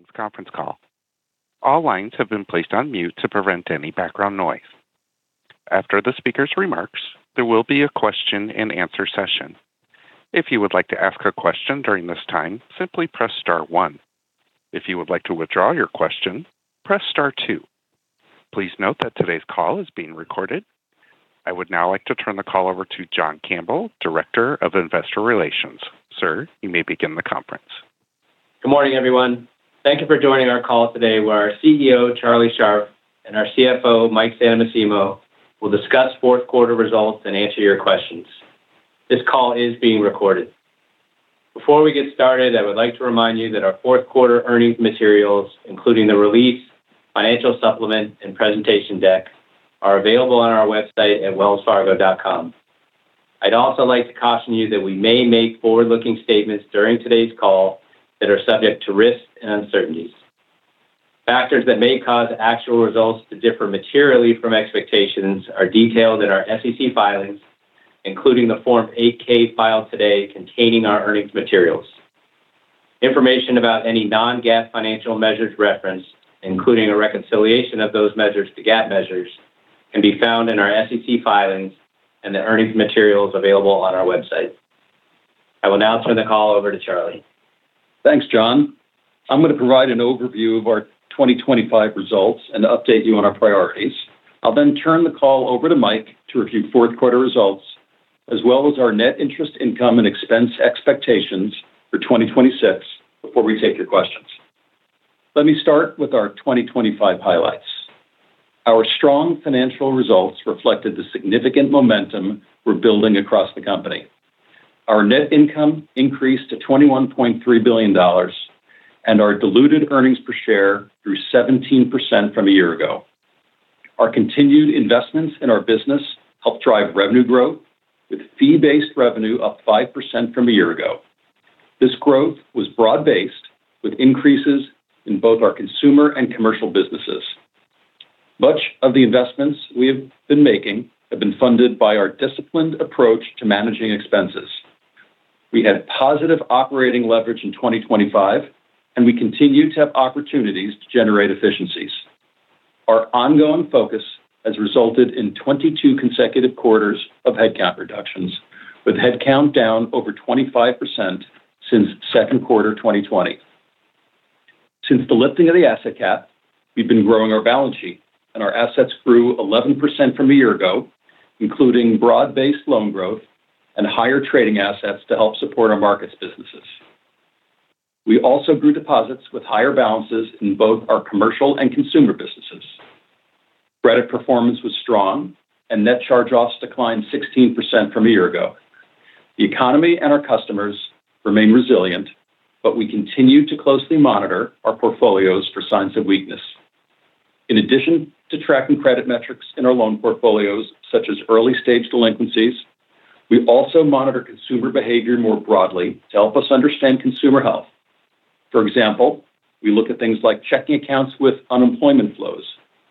Wells Fargo's conference call. All lines have been placed on mute to prevent any background noise. After the speaker's remarks, there will be a question-and-answer session. If you would like to ask a question during this time, simply press star one. If you would like to withdraw your question, press star two. Please note that today's call is being recorded. I would now like to turn the call over to John Campbell, Director of Investor Relations. Sir, you may begin the conference. Good morning, everyone. Thank you for joining our call today, where our CEO, Charlie Scharf, and our CFO, Mike Santomassimo, will discuss fourth-quarter results and answer your questions. This call is being recorded. Before we get started, I would like to remind you that our fourth-quarter earnings materials, including the release, financial supplement, and presentation deck, are available on our website at wellsfargo.com. I'd also like to caution you that we may make forward-looking statements during today's call that are subject to risks and uncertainties. Factors that may cause actual results to differ materially from expectations are detailed in our SEC filings, including the Form 8-K filed today containing our earnings materials. Information about any non-GAAP financial measures referenced, including a reconciliation of those measures to GAAP measures, can be found in our SEC filings and the earnings materials available on our website. I will now turn the call over to Charlie. Thanks, John. I'm going to provide an overview of our 2025 results and update you on our priorities. I'll then turn the call over to Mike to review fourth-quarter results, as well as our net interest income and expense expectations for 2026 before we take your questions. Let me start with our 2025 highlights. Our strong financial results reflected the significant momentum we're building across the company. Our net income increased to $21.3 billion, and our diluted earnings per share grew 17% from a year ago. Our continued investments in our business helped drive revenue growth, with fee-based revenue up 5% from a year ago. This growth was broad-based, with increases in both our Consumer and Commercial Businesses. Much of the investments we have been making have been funded by our disciplined approach to managing expenses. We had positive operating leverage in 2025, and we continue to have opportunities to generate efficiencies. Our ongoing focus has resulted in 22 consecutive quarters of headcount reductions, with headcount down over 25% since Q2 2020. Since the lifting of the asset cap, we've been growing our balance sheet, and our assets grew 11% from a year ago, including broad-based loan growth and higher trading assets to help support our Markets businesses. We also grew deposits with higher balances in both our commercial and consumer businesses. Credit performance was strong, and net charge-offs declined 16% from a year ago. The economy and our customers remain resilient, but we continue to closely monitor our portfolios for signs of weakness. In addition to tracking credit metrics in our loan portfolios, such as early-stage delinquencies, we also monitor consumer behavior more broadly to help us understand consumer health. For example, we look at things like checking accounts with unemployment flows,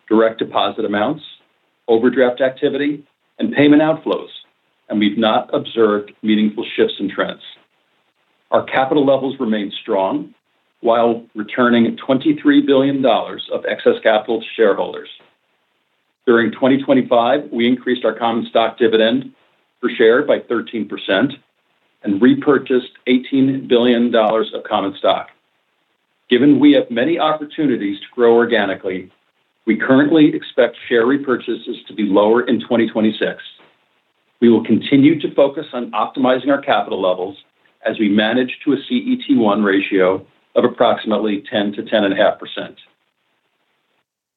direct deposit amounts, overdraft activity, and payment outflows, and we've not observed meaningful shifts in trends. Our capital levels remain strong, while returning $23 billion of excess capital to shareholders. During 2025, we increased our common stock dividend per share by 13% and repurchased $18 billion of common stock. Given we have many opportunities to grow organically, we currently expect share repurchases to be lower in 2026. We will continue to focus on optimizing our capital levels as we manage to a CET1 ratio of approximately 10%-10.5%.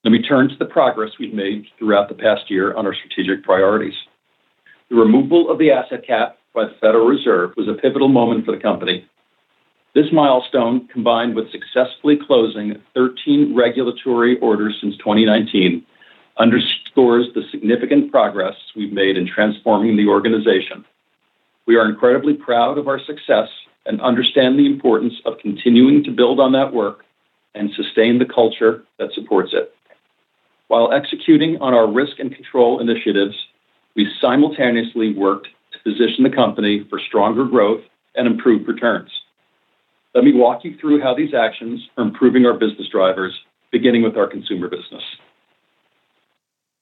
Let me turn to the progress we've made throughout the past year on our strategic priorities. The removal of the asset cap by the Federal Reserve was a pivotal moment for the company. This milestone, combined with successfully closing 13 regulatory orders since 2019, underscores the significant progress we've made in transforming the organization. We are incredibly proud of our success and understand the importance of continuing to build on that work and sustain the culture that supports it. While executing on our risk and control initiatives, we simultaneously worked to position the company for stronger growth and improved returns. Let me walk you through how these actions are improving our business drivers, beginning with our Consumer Business.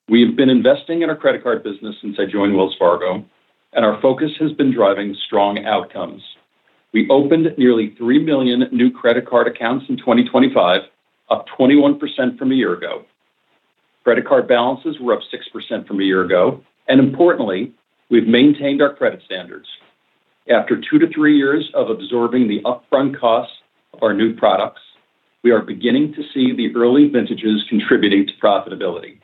We have been investing in our Credit Card business since I joined Wells Fargo, and our focus has been driving strong outcomes. We opened nearly three million new Credit Card accounts in 2025, up 21% from a year ago. Credit card balances were up 6% from a year ago, and importantly, we've maintained our credit standards. After two to three years of absorbing the upfront costs of our new products, we are beginning to see the early vintages contributing to profitability.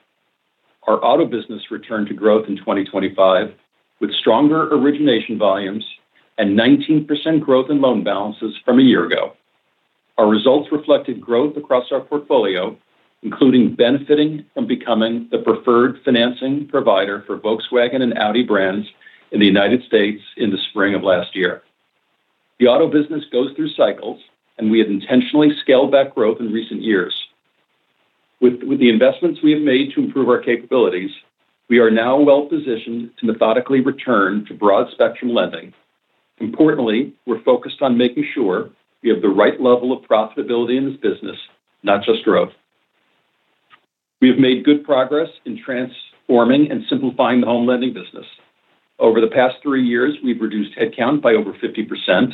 Our Auto business returned to growth in 2025, with stronger origination volumes and 19% growth in loan balances from a year ago. Our results reflected growth across our portfolio, including benefiting from becoming the preferred financing provider for Volkswagen and Audi brands in the United States in the spring of last year. The Auto business goes through cycles, and we have intentionally scaled back growth in recent years. With the investments we have made to improve our capabilities, we are now well-positioned to methodically return to broad-spectrum lending. Importantly, we're focused on making sure we have the right level of profitability in this business, not just growth. We have made good progress in transforming and simplifying the Home Lending business. Over the past three years, we've reduced headcount by over 50%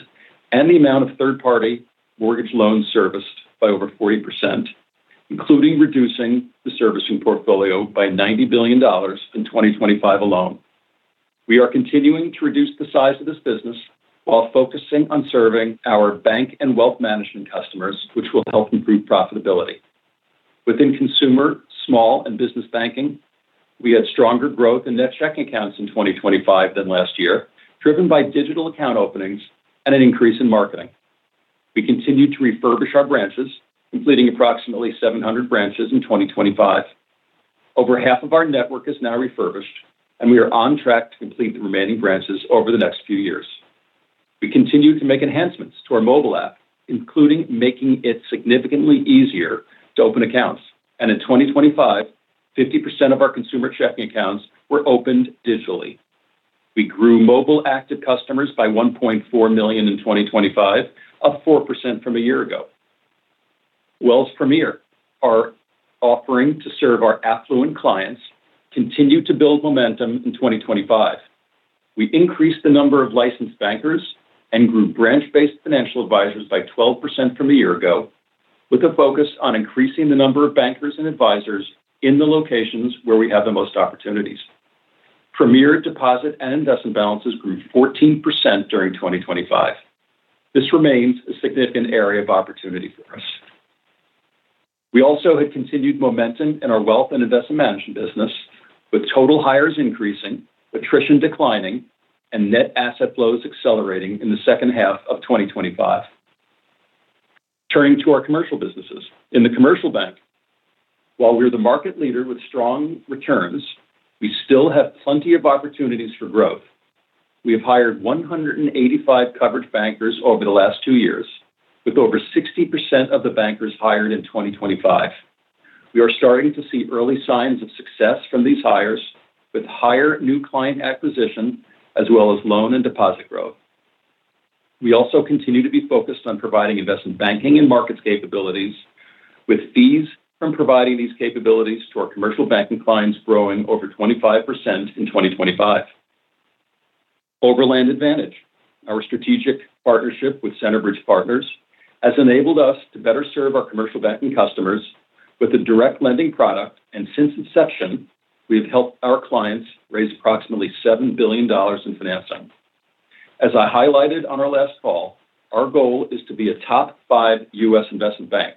and the amount of third-party mortgage loans serviced by over 40%, including reducing the servicing portfolio by $90 billion in 2025 alone. We are continuing to reduce the size of this business while focusing on serving our bank and wealth management customers, which will help improve profitability. Within Consumer, Small, and Business Banking, we had stronger growth in net checking accounts in 2025 than last year, driven by digital account openings and an increase in marketing. We continue to refurbish our branches, completing approximately 700 branches in 2025. Over half of our network is now refurbished, and we are on track to complete the remaining branches over the next few years. We continue to make enhancements to our mobile app, including making it significantly easier to open accounts, and in 2025, 50% of our consumer checking accounts were opened digitally. We grew mobile active customers by 1.4 million in 2025, up 4% from a year ago. Wells Premier, our offering to serve our affluent clients, continue to build momentum in 2025. We increased the number of licensed bankers and grew branch-based financial advisors by 12% from a year ago, with a focus on increasing the number of bankers and advisors in the locations where we have the most opportunities. Premier deposit and investment balances grew 14% during 2025. This remains a significant area of opportunity for us. We also had continued momentum in our Wealth and Investment Management Business, with total hires increasing, attrition declining, and net asset flows accelerating in the second half of 2025. Turning to our commercial businesses. In the commercial bank, while we are the market leader with strong returns, we still have plenty of opportunities for growth. We have hired 185 coverage bankers over the last two years, with over 60% of the bankers hired in 2025. We are starting to see early signs of success from these hires, with higher new client acquisition as well as loan and deposit growth. We also continue to be focused on providing investment banking and markets capabilities, with fees from providing these capabilities to our Commercial Banking clients growing over 25% in 2025. Overland Advantage, our strategic partnership with Centerbridge Partners, has enabled us to better serve our Commercial Banking customers with a direct lending product, and since inception, we have helped our clients raise approximately $7 billion in financing. As I highlighted on our last call, our goal is to be a top five U.S. investment bank.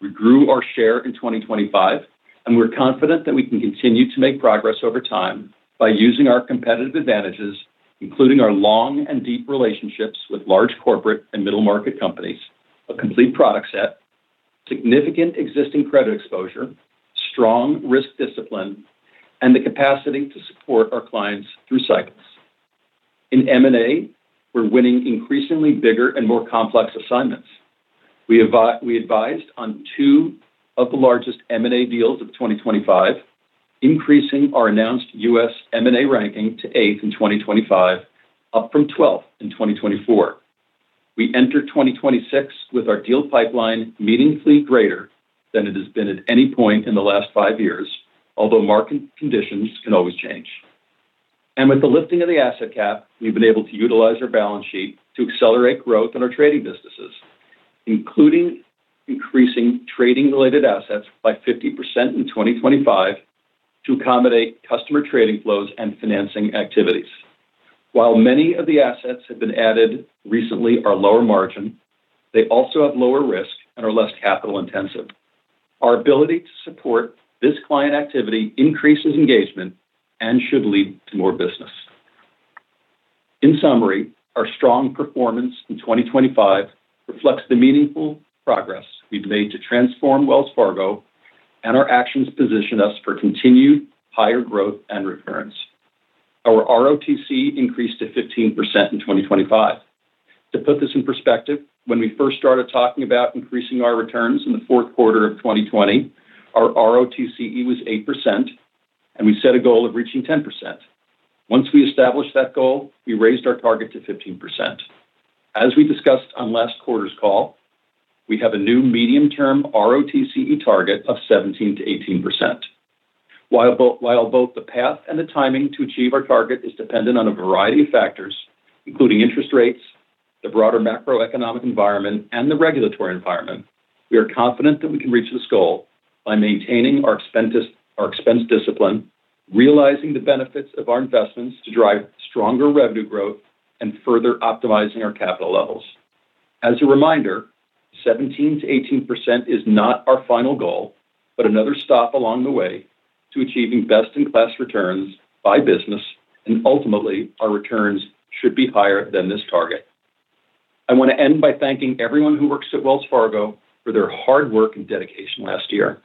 We grew our share in 2025, and we're confident that we can continue to make progress over time by using our competitive advantages, including our long and deep relationships with large corporate and middle market companies, a complete product set, significant existing credit exposure, strong risk discipline, and the capacity to support our clients through cycles. In M&A, we're winning increasingly bigger and more complex assignments. We advised on two of the largest M&A deals of 2025, increasing our announced U.S. M&A ranking to eighth in 2025, up from twelfth in 2024. We entered 2026 with our deal pipeline meaningfully greater than it has been at any point in the last five years, although market conditions can always change. And with the lifting of the asset cap, we've been able to utilize our balance sheet to accelerate growth in our trading businesses, including increasing trading-related assets by 50% in 2025 to accommodate customer trading flows and financing activities. While many of the assets have been added recently are lower margin, they also have lower risk and are less capital-intensive. Our ability to support this client activity increases engagement and should lead to more business. In summary, our strong performance in 2025 reflects the meaningful progress we've made to transform Wells Fargo, and our actions position us for continued higher growth and returns. Our ROTCE increased to 15% in 2025. To put this in perspective, when we first started talking about increasing our returns in the Q4 of 2020, our ROTCE was 8%, and we set a goal of reaching 10%. Once we established that goal, we raised our target to 15%. As we discussed on last quarter's call, we have a new medium-term ROTCE target of 17%-18%. While both the path and the timing to achieve our target is dependent on a variety of factors, including interest rates, the broader macroeconomic environment, and the regulatory environment, we are confident that we can reach this goal by maintaining our expense discipline, realizing the benefits of our investments to drive stronger revenue growth, and further optimizing our capital levels. As a reminder, 17%-18% is not our final goal, but another stop along the way to achieving best-in-class returns by business, and ultimately, our returns should be higher than this target. I want to end by thanking everyone who works at Wells Fargo for their hard work and dedication last year.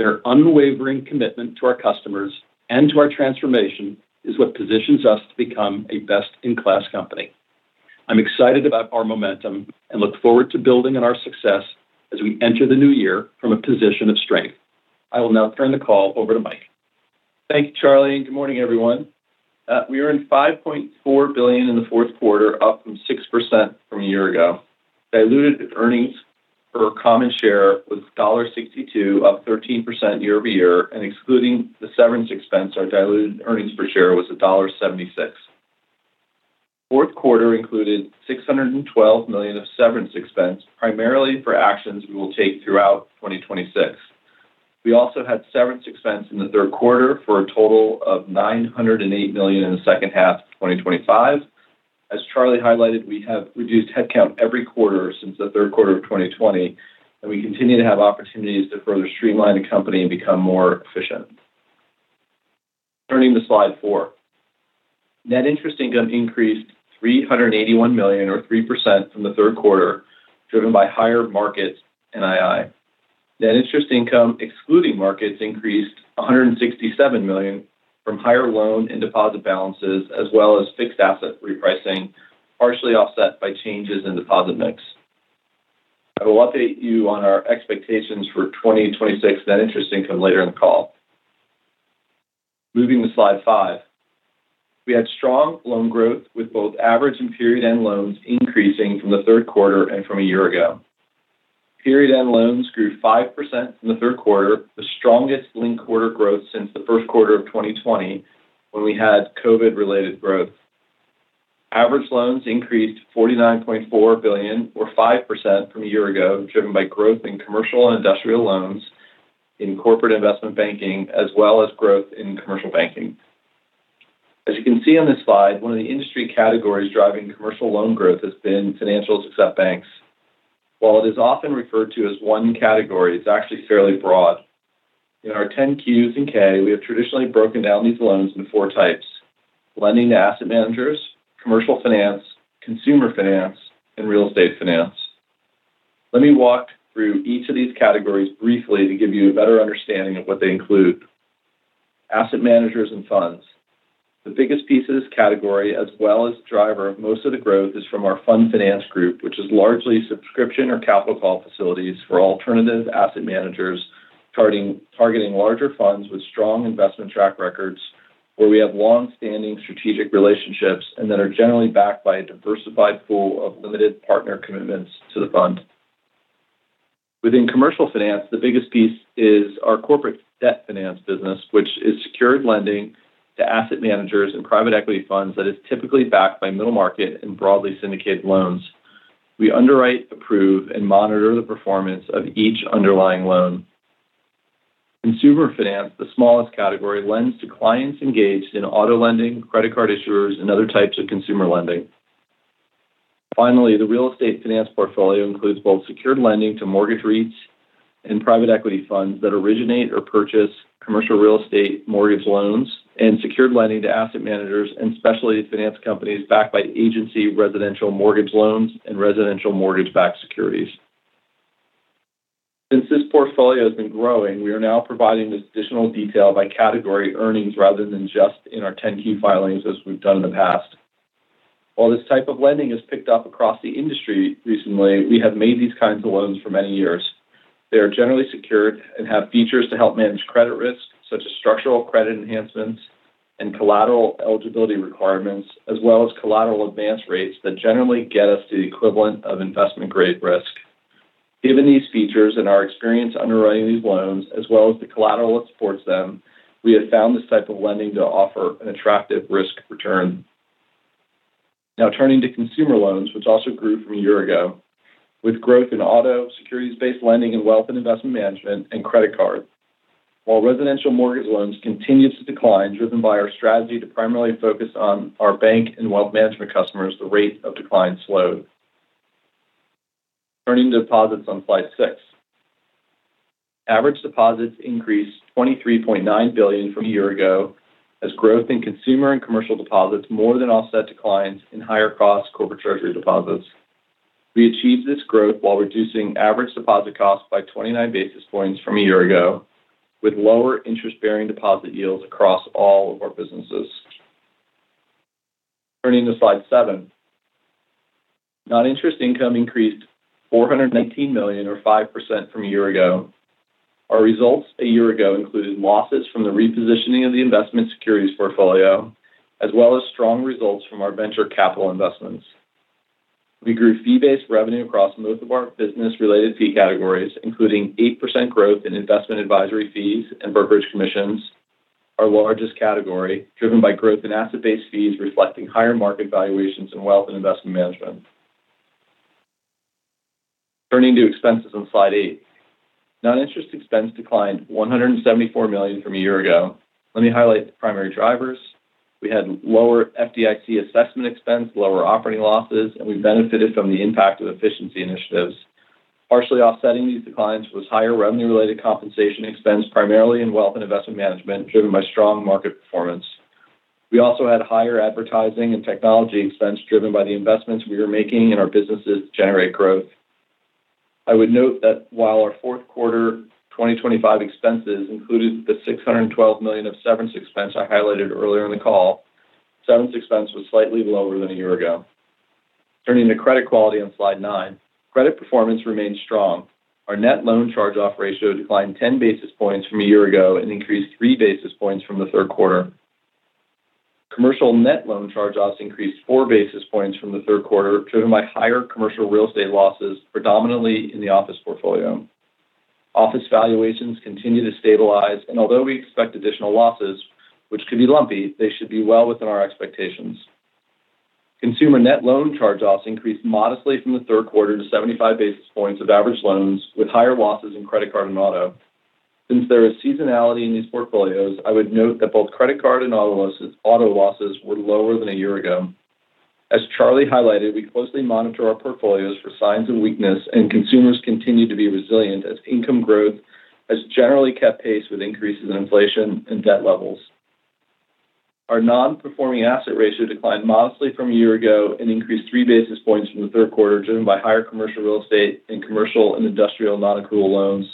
Their unwavering commitment to our customers and to our transformation is what positions us to become a best-in-class company. I'm excited about our momentum and look forward to building on our success as we enter the new year from a position of strength. I will now turn the call over to Mike. Thank you, Charlie. And good morning, everyone. We earned $5.4 billion in the Q4, up 6% from a year ago. Diluted earnings per common share was $1.62, up 13% year over year, and excluding the severance expense, our diluted earnings per share was $1.76. Q4 included $612 million of severance expense, primarily for actions we will take throughout 2026. We also had severance expense in the Q3 for a total of $908 million in the second half of 2025. As Charlie highlighted, we have reduced headcount every quarter since the Q3 of 2020, and we continue to have opportunities to further streamline the company and become more efficient. Turning to slide four, net interest income increased $381 million, or 3%, from the Q3, driven by higher Markets NII. Net interest income, excluding markets, increased $167 million from higher loan and deposit balances, as well as fixed asset repricing, partially offset by changes in deposit mix. I will update you on our expectations for 2026 net interest income later in the call. Moving to slide five, we had strong loan growth with both average and period-end loans increasing from the Q3 and from a year ago. Period-end loans grew 5% from the Q3, the strongest linked-quarter growth since the Q1 of 2020 when we had COVID-related growth. Average loans increased $49.4 billion, or 5%, from a year ago, driven by growth in commercial and industrial loans in Corporate Investment Banking, as well as growth in Commercial Banking. As you can see on this slide, one of the industry categories driving commercial loan growth has been financials except banks. While it is often referred to as one category, it's actually fairly broad. In our 10-Qs and 10-K, we have traditionally broken down these loans into four types: lending to asset managers, commercial finance, consumer finance, and real estate finance. Let me walk through each of these categories briefly to give you a better understanding of what they include. Asset managers and funds. The biggest piece of this category, as well as the driver of most of the growth, is from our fund finance group, which is largely subscription or capital call facilities for alternative asset managers, targeting larger funds with strong investment track records, where we have long-standing strategic relationships and that are generally backed by a diversified pool of limited partner commitments to the fund. Within commercial finance, the biggest piece is our corporate debt finance business, which is secured lending to asset managers and private equity funds that is typically backed by middle market and broadly syndicated loans. We underwrite, approve, and monitor the performance of each underlying loan. Consumer finance, the smallest category, lends to clients engaged in auto lending, credit card issuers, and other types of consumer lending. Finally, the real estate finance portfolio includes both secured lending to mortgage REITs and private equity funds that originate or purchase Commercial Real Estate mortgage loans and secured lending to asset managers and specialty finance companies backed by agency residential mortgage loans and residential mortgage-backed securities. Since this portfolio has been growing, we are now providing this additional detail by category earnings rather than just in our 10-Q filings, as we've done in the past. While this type of lending has picked up across the industry recently, we have made these kinds of loans for many years. They are generally secured and have features to help manage credit risk, such as structural credit enhancements and collateral eligibility requirements, as well as collateral advance rates that generally get us to the equivalent of investment-grade risk. Given these features and our experience underwriting these loans, as well as the collateral that supports them, we have found this type of lending to offer an attractive risk return. Now turning to consumer loans, which also grew from a year ago, with growth in auto securities-based lending and wealth and investment management and credit card. While residential mortgage loans continued to decline, driven by our strategy to primarily focus on our bank and wealth management customers, the rate of decline slowed. Turning to deposits on slide six, average deposits increased $23.9 billion from a year ago, as growth in consumer and commercial deposits more than offset declines in higher-cost corporate treasury deposits. We achieved this growth while reducing average deposit costs by 29 basis points from a year ago, with lower interest-bearing deposit yields across all of our businesses. Turning to slide seven, non-interest income increased $419 million, or 5%, from a year ago. Our results a year ago included losses from the repositioning of the investment securities portfolio, as well as strong results from our venture capital investments. We grew fee-based revenue across most of our business-related fee categories, including 8% growth in investment advisory fees and brokerage commissions, our largest category, driven by growth in asset-based fees reflecting higher market valuations in wealth and investment management. Turning to expenses on slide eight, non-interest expense declined $174 million from a year ago. Let me highlight the primary drivers. We had lower FDIC assessment expense, lower operating losses, and we benefited from the impact of efficiency initiatives. Partially offsetting these declines was higher revenue-related compensation expense, primarily in wealth and investment management, driven by strong market performance. We also had higher advertising and technology expense, driven by the investments we were making in our businesses to generate growth. I would note that while our Q4 2025 expenses included the $612 million of severance expense I highlighted earlier in the call, severance expense was slightly lower than a year ago. Turning to credit quality on slide nine, credit performance remained strong. Our net loan charge-off ratio declined 10 basis points from a year ago and increased 3 basis points from the Q3. Commercial net loan charge-offs increased 4 basis points from the Q3, driven by higher commercial real estate losses, predominantly in the office portfolio. Office valuations continue to stabilize, and although we expect additional losses, which could be lumpy, they should be well within our expectations. Consumer net loan charge-offs increased modestly from the Q3 to 75 basis points of average loans, with higher losses in credit card and auto. Since there is seasonality in these portfolios, I would note that both credit card and auto losses were lower than a year ago. As Charlie highlighted, we closely monitor our portfolios for signs of weakness, and consumers continue to be resilient as income growth has generally kept pace with increases in inflation and debt levels. Our non-performing asset ratio declined modestly from a year ago and increased 3 basis points from the Q3, driven by higher commercial real estate and commercial and industrial non-accrual loans.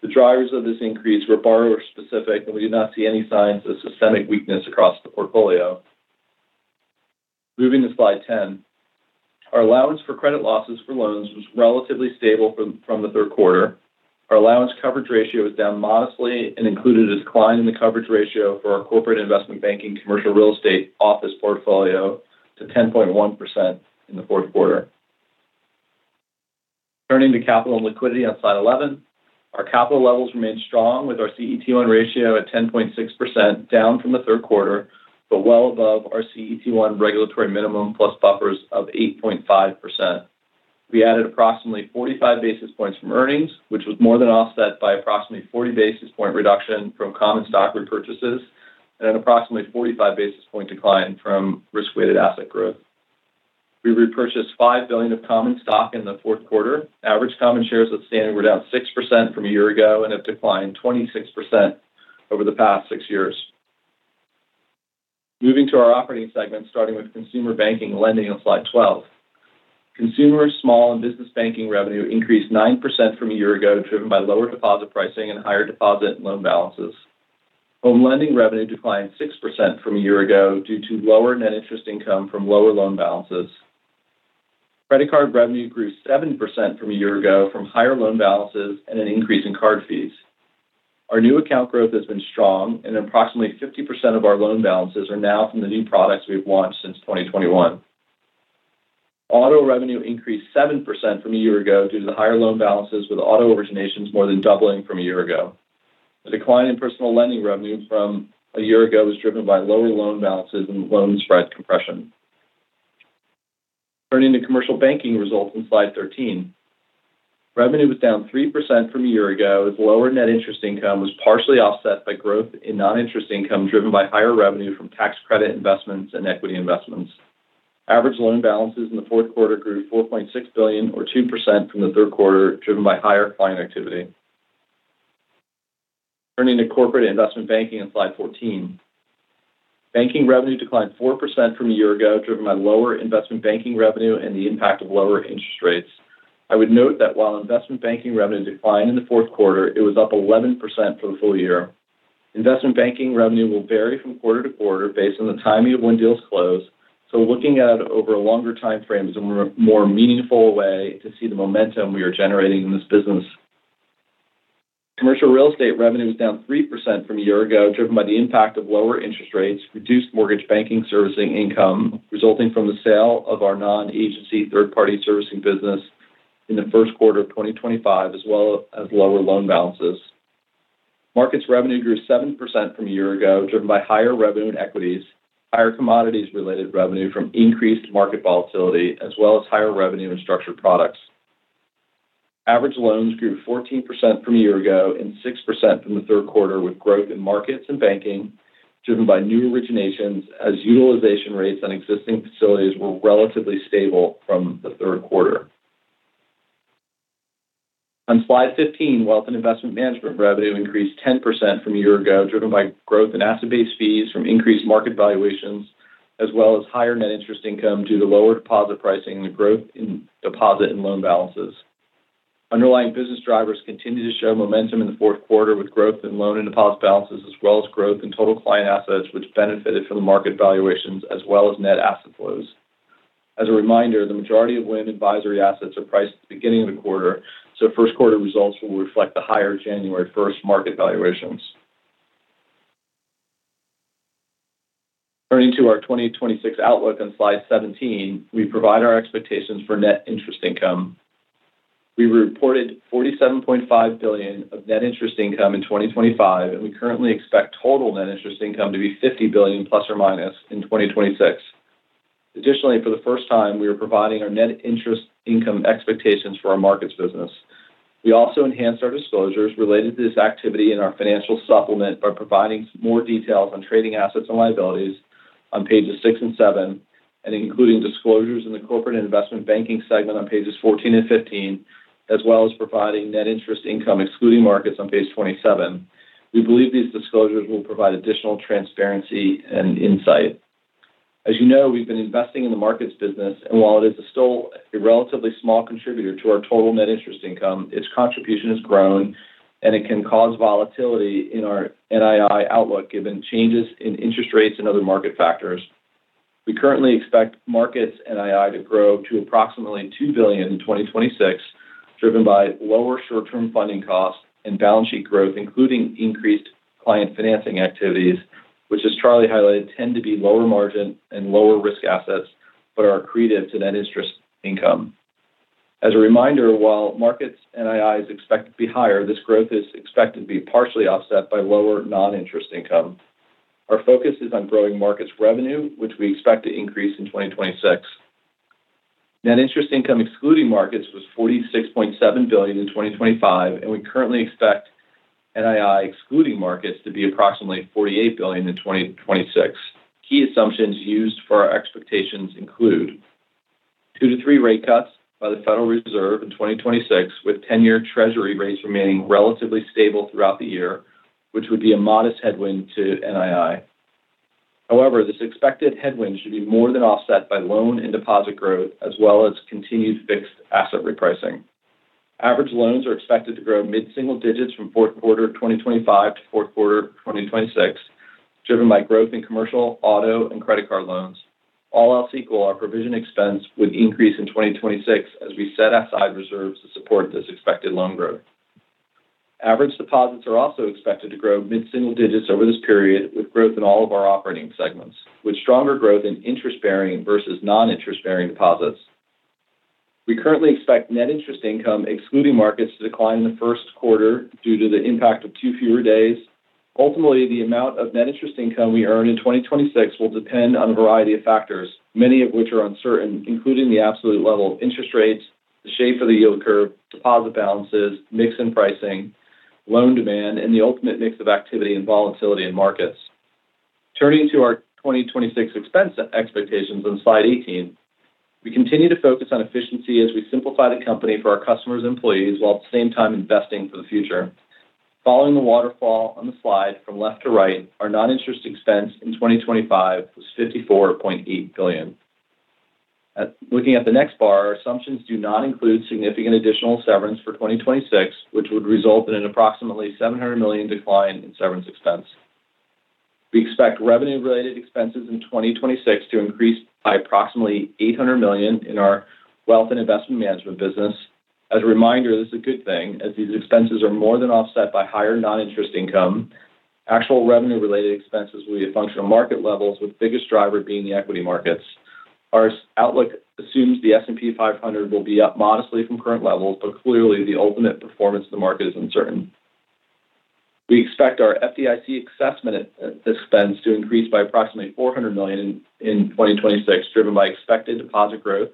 The drivers of this increase were borrower-specific, and we did not see any signs of systemic weakness across the portfolio. Moving to slide 10, our allowance for credit losses for loans was relatively stable from the Q3. Our allowance coverage ratio was down modestly and included a decline in the coverage ratio for our Corporate Investment Banking commercial real estate office portfolio to 10.1% in the Q4. Turning to capital and liquidity on slide 11, our capital levels remained strong with our CET1 ratio at 10.6%, down from the Q3, but well above our CET1 regulatory minimum plus buffers of 8.5%. We added approximately 45 basis points from earnings, which was more than offset by approximately 40 basis point reduction from common stock repurchases and an approximately 45 basis point decline from risk-weighted asset growth. We repurchased $5 billion of common stock in the Q4. Average common shares outstanding were down 6% from a year ago and have declined 26% over the past six years. Moving to our operating segment, starting with Consumer Banking and Lending on slide 12, Consumer Small and Business Banking revenue increased 9% from a year ago, driven by lower deposit pricing and higher deposit loan balances. Home lending revenue declined 6% from a year ago due to lower net interest income from lower loan balances. Credit card revenue grew 7% from a year ago from higher loan balances and an increase in card fees. Our new account growth has been strong, and approximately 50% of our loan balances are now from the new products we've launched since 2021. Auto revenue increased 7% from a year ago due to the higher loan balances, with auto originations more than doubling from a year ago. The decline in Personal Lending revenue from a year ago was driven by lower loan balances and loan spread compression. Turning to commercial banking results on slide 13, revenue was down 3% from a year ago, as lower net interest income was partially offset by growth in non-interest income driven by higher revenue from tax credit investments and equity investments. Average loan balances in the Q4 grew $4.6 billion, or 2%, from the Q3, driven by higher client activity. Turning to Corporate Investment Banking on slide 14, banking revenue declined 4% from a year ago, driven by lower investment banking revenue and the impact of lower interest rates. I would note that while investment banking revenue declined in the Q4, it was up 11% for the full year. Investment banking revenue will vary from quarter to quarter based on the timing of when deals close, so looking at it over a longer time frame is a more meaningful way to see the momentum we are generating in this business. Commercial real estate revenue was down 3% from a year ago, driven by the impact of lower interest rates, reduced mortgage banking servicing income resulting from the sale of our non-agency third-party servicing business in the Q1 of 2025, as well as lower loan balances. Markets revenue grew 7% from a year ago, driven by higher revenue in equities, higher commodities-related revenue from increased market volatility, as well as higher revenue in structured products. Average loans grew 14% from a year ago and 6% from the Q3, with growth in markets and banking driven by new originations, as utilization rates on existing facilities were relatively stable from the Q3. On slide 15, wealth and investment management revenue increased 10% from a year ago, driven by growth in asset-based fees from increased market valuations, as well as higher net interest income due to lower deposit pricing and growth in deposit and loan balances. Underlying business drivers continue to show momentum in the Q4, with growth in loan and deposit balances, as well as growth in total client assets, which benefited from the market valuations, as well as net asset flows. As a reminder, the majority of WIM advisory assets are priced at the beginning of the quarter, so Q1 results will reflect the higher January 1st market valuations. Turning to our 2026 outlook on slide 17, we provide our expectations for net interest income. We reported $47.5 billion of net interest income in 2025, and we currently expect total net interest income to be $50 billion plus or minus in 2026. Additionally, for the first time, we are providing our net interest income expectations for our markets business. We also enhanced our disclosures related to this activity in our financial supplement by providing more details on trading assets and liabilities on pages 6 and 7, and including disclosures in the Corporate Investment Banking segment on pages 14 and 15, as well as providing net interest income excluding markets on page 27. We believe these disclosures will provide additional transparency and insight. As you know, we've been investing in the markets business, and while it is still a relatively small contributor to our total net interest income, its contribution has grown, and it can cause volatility in our NII outlook given changes in interest rates and other market factors. We currently expect Markets NII to grow to approximately $2 billion in 2026, driven by lower short-term funding costs and balance sheet growth, including increased client financing activities, which, as Charlie highlighted, tend to be lower margin and lower risk assets but are accretive to net interest income. As a reminder, while Markets NII is expected to be higher, this growth is expected to be partially offset by lower non-interest income. Our focus is on growing markets revenue, which we expect to increase in 2026. Net interest income excluding markets was $46.7 billion in 2025, and we currently expect NII excluding markets to be approximately $48 billion in 2026. Key assumptions used for our expectations include two to three rate cuts by the Federal Reserve in 2026, with 10-year Treasury rates remaining relatively stable throughout the year, which would be a modest headwind to NII. However, this expected headwind should be more than offset by loan and deposit growth, as well as continued fixed asset repricing. Average loans are expected to grow mid-single digits from Q4 2025 to Q4 2026, driven by growth in commercial, auto, and credit card loans. All else equal, our provision expense would increase in 2026 as we set aside reserves to support this expected loan growth. Average deposits are also expected to grow mid-single digits over this period, with growth in all of our operating segments, with stronger growth in interest-bearing versus non-interest-bearing deposits. We currently expect net interest income excluding markets to decline in the Q1 due to the impact of two fewer days. Ultimately, the amount of net interest income we earn in 2026 will depend on a variety of factors, many of which are uncertain, including the absolute level of interest rates, the shape of the yield curve, deposit balances, mix and pricing, loan demand, and the ultimate mix of activity and volatility in markets. Turning to our 2026 expense expectations on slide 18, we continue to focus on efficiency as we simplify the company for our customers and employees while at the same time investing for the future. Following the waterfall on the slide from left to right, our non-interest expense in 2025 was $54.8 billion. Looking at the next bar, our assumptions do not include significant additional severance for 2026, which would result in an approximately $700 million decline in severance expense. We expect revenue-related expenses in 2026 to increase by approximately $800 million in our wealth and investment management business. As a reminder, this is a good thing, as these expenses are more than offset by higher non-interest income. Actual revenue-related expenses will be at functional market levels, with the biggest driver being the equity markets. Our outlook assumes the S&P 500 will be up modestly from current levels, but clearly, the ultimate performance of the market is uncertain. We expect our FDIC assessment expense to increase by approximately $400 million in 2026, driven by expected deposit growth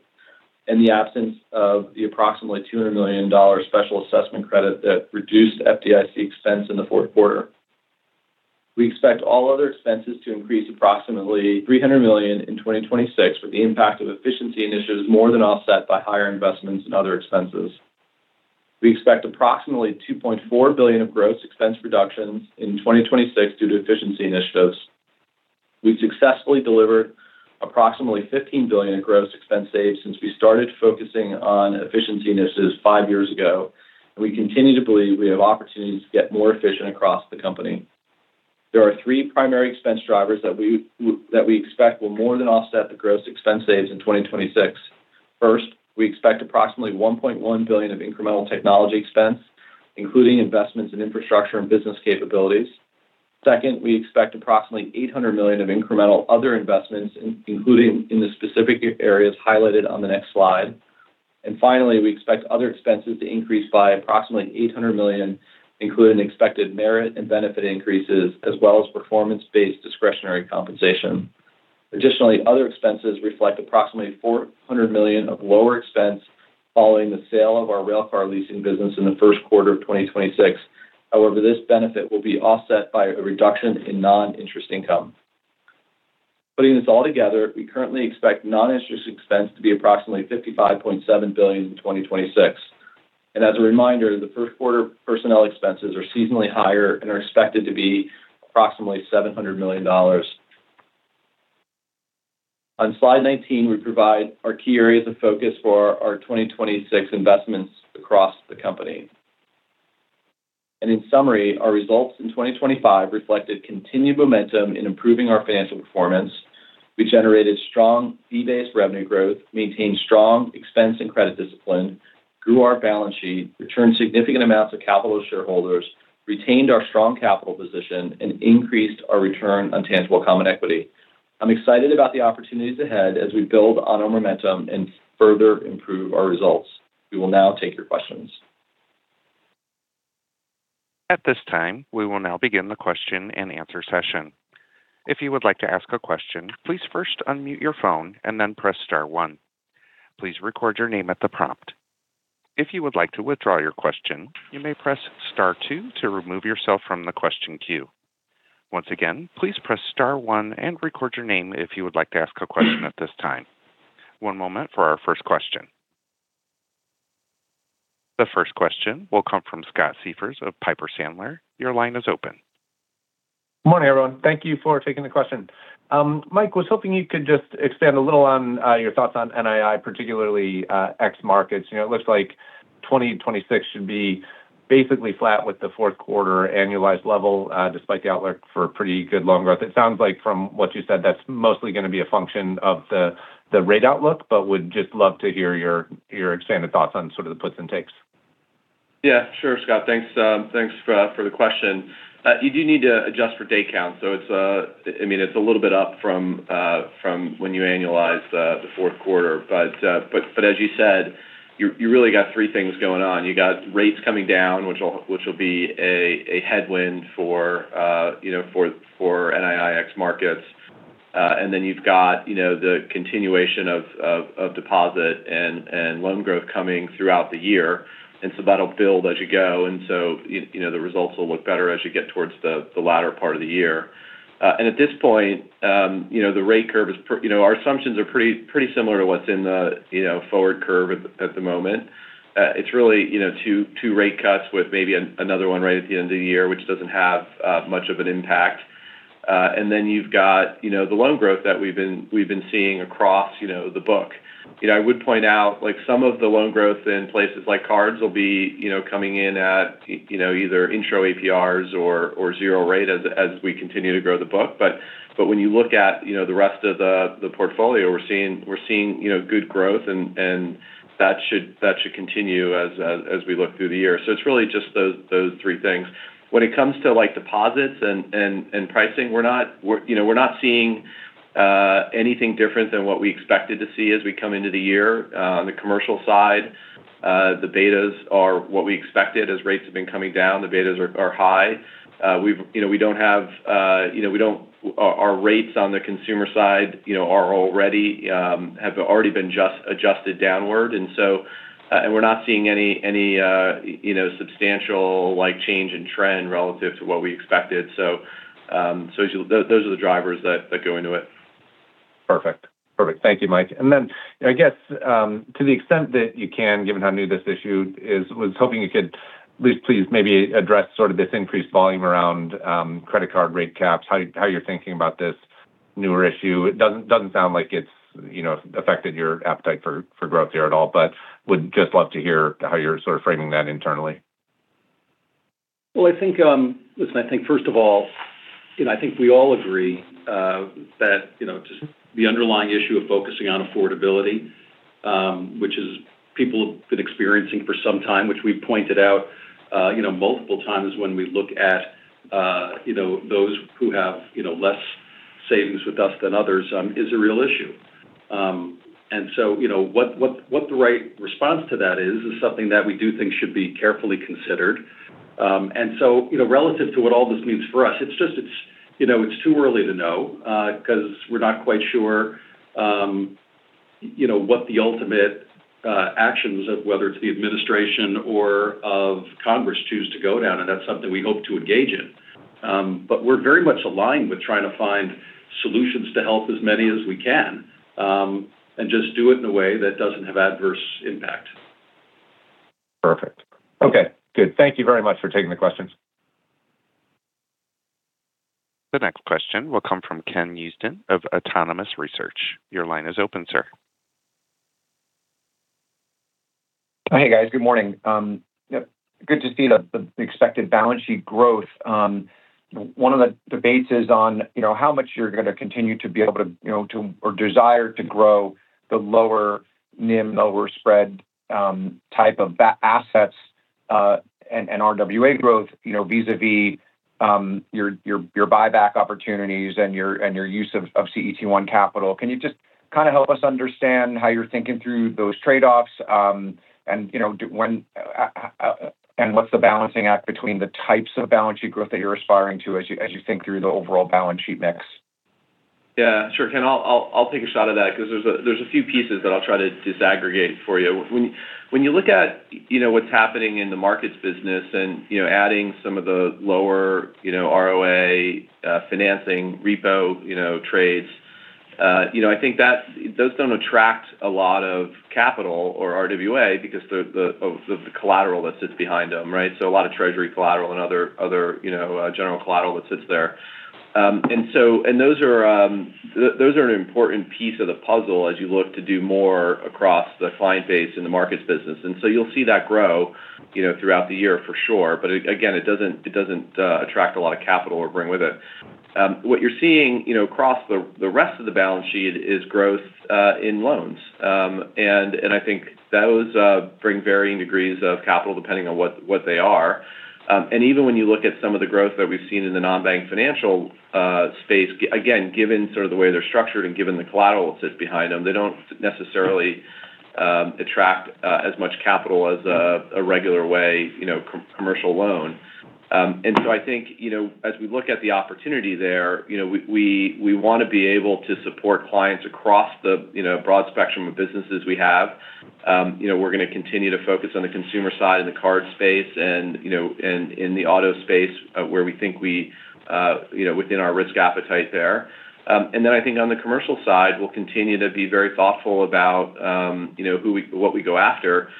and the absence of the approximately $200 million special assessment credit that reduced FDIC expense in the Q4. We expect all other expenses to increase approximately $300 million in 2026, with the impact of efficiency initiatives more than offset by higher investments and other expenses. We expect approximately $2.4 billion of gross expense reductions in 2026 due to efficiency initiatives. We've successfully delivered approximately $15 billion of gross expense saved since we started focusing on efficiency initiatives five years ago, and we continue to believe we have opportunities to get more efficient across the company. There are three primary expense drivers that we expect will more than offset the gross expense saved in 2026. First, we expect approximately $1.1 billion of incremental technology expense, including investments in infrastructure and business capabilities. Second, we expect approximately $800 million of incremental other investments, including in the specific areas highlighted on the next slide. And finally, we expect other expenses to increase by approximately $800 million, including expected merit and benefit increases, as well as performance-based discretionary compensation. Additionally, other expenses reflect approximately $400 million of lower expense following the sale of our railcar leasing business in the Q1 of 2026. However, this benefit will be offset by a reduction in non-interest income. Putting this all together, we currently expect non-interest expense to be approximately $55.7 billion in 2026. And as a reminder, the Q1 personnel expenses are seasonally higher and are expected to be approximately $700 million. On slide 19, we provide our key areas of focus for our 2026 investments across the company. In summary, our results in 2025 reflected continued momentum in improving our financial performance. We generated strong fee-based revenue growth, maintained strong expense and credit discipline, grew our balance sheet, returned significant amounts of capital to shareholders, retained our strong capital position, and increased our return on tangible common equity. I'm excited about the opportunities ahead as we build on our momentum and further improve our results. We will now take your questions. At this time, we will now begin the question and answer session. If you would like to ask a question, please first unmute your phone and then press Star 1. Please record your name at the prompt. If you would like to withdraw your question, you may press Star 2 to remove yourself from the question queue. Once again, please press Star 1 and record your name if you would like to ask a question at this time. One moment for our first question. The first question will come from Scott Siefers of Piper Sandler. Your line is open. Good morning, everyone. Thank you for taking the question. Mike, I was hoping you could just expand a little on your thoughts on NII, particularly ex markets. It looks like 2026 should be basically flat with the Q4 annualized level, despite the outlook for pretty good loan growth. It sounds like, from what you said, that's mostly going to be a function of the rate outlook, but would just love to hear your expanded thoughts on sort of the puts and takes. Yeah, sure, Scott. Thanks for the question. You do need to adjust for day count. I mean, it's a little bit up from when you annualized the Q4. But as you said, you really got three things going on. You got rates coming down, which will be a headwind for NII ex Markets. And then you've got the continuation of deposit and loan growth coming throughout the year. And so that'll build as you go. And so the results will look better as you get towards the latter part of the year. And at this point, the rate curve is our assumptions are pretty similar to what's in the forward curve at the moment. It's really two rate cuts with maybe another one right at the end of the year, which doesn't have much of an impact. And then you've got the loan growth that we've been seeing across the book. I would point out some of the loan growth in places like cards will be coming in at either intro APRs or zero rate as we continue to grow the book. But when you look at the rest of the portfolio, we're seeing good growth, and that should continue as we look through the year. So it's really just those three things. When it comes to deposits and pricing, we're not seeing anything different than what we expected to see as we come into the year. On the commercial side, the betas are what we expected as rates have been coming down. The betas are high. We do have our rates on the consumer side that have already been adjusted downward. And we're not seeing any substantial change in trend relative to what we expected. So those are the drivers that go into it. Perfect. Perfect. Thank you, Mike. And then I guess, to the extent that you can, given how new this issue is, I was hoping you could at least please maybe address sort of this increased volume around credit card rate caps, how you're thinking about this newer issue. It doesn't sound like it's affected your appetite for growth here at all, but would just love to hear how you're sort of framing that internally. I think, listen, I think, first of all, I think we all agree that just the underlying issue of focusing on affordability, which people have been experiencing for some time, which we've pointed out multiple times when we look at those who have less savings with us than others, is a real issue. And so what the right response to that is something that we do think should be carefully considered. And so relative to what all this means for us, it's just too early to know because we're not quite sure what the ultimate actions of whether it's the administration or of Congress choose to go down. And that's something we hope to engage in. But we're very much aligned with trying to find solutions to help as many as we can and just do it in a way that doesn't have adverse impact. Perfect. Okay. Good. Thank you very much for taking the questions. The next question will come from Ken Usdin of Autonomous Research. Your line is open, sir. Hey, guys. Good morning. Good to see the expected balance sheet growth. One of the debates is on how much you're going to continue to be able to or desire to grow the lower NIM, lower spread type of assets and RWA growth vis-à-vis your buyback opportunities and your use of CET1 capital. Can you just kind of help us understand how you're thinking through those trade-offs and what's the balancing act between the types of balance sheet growth that you're aspiring to as you think through the overall balance sheet mix? Yeah. Sure can. I'll take a shot at that because there's a few pieces that I'll try to disaggregate for you. When you look at what's happening in the markets business and adding some of the lower ROA financing repo trades, I think those don't attract a lot of capital or RWA because of the collateral that sits behind them, right? So a lot of treasury collateral and other general collateral that sits there, and those are an important piece of the puzzle as you look to do more across the client base in the markets business, and so you'll see that grow throughout the year for sure, but again, it doesn't attract a lot of capital or bring with it. What you're seeing across the rest of the balance sheet is growth in loans, and I think those bring varying degrees of capital depending on what they are. Even when you look at some of the growth that we've seen in the non-bank financial space, again, given sort of the way they're structured and given the collateral that sits behind them, they don't necessarily attract as much capital as a regular way commercial loan. So I think as we look at the opportunity there, we want to be able to support clients across the broad spectrum of businesses we have. We're going to continue to focus on the consumer side in the card space and in the auto space where we think we within our risk appetite there. Then I think on the commercial side, we'll continue to be very thoughtful about what we go after.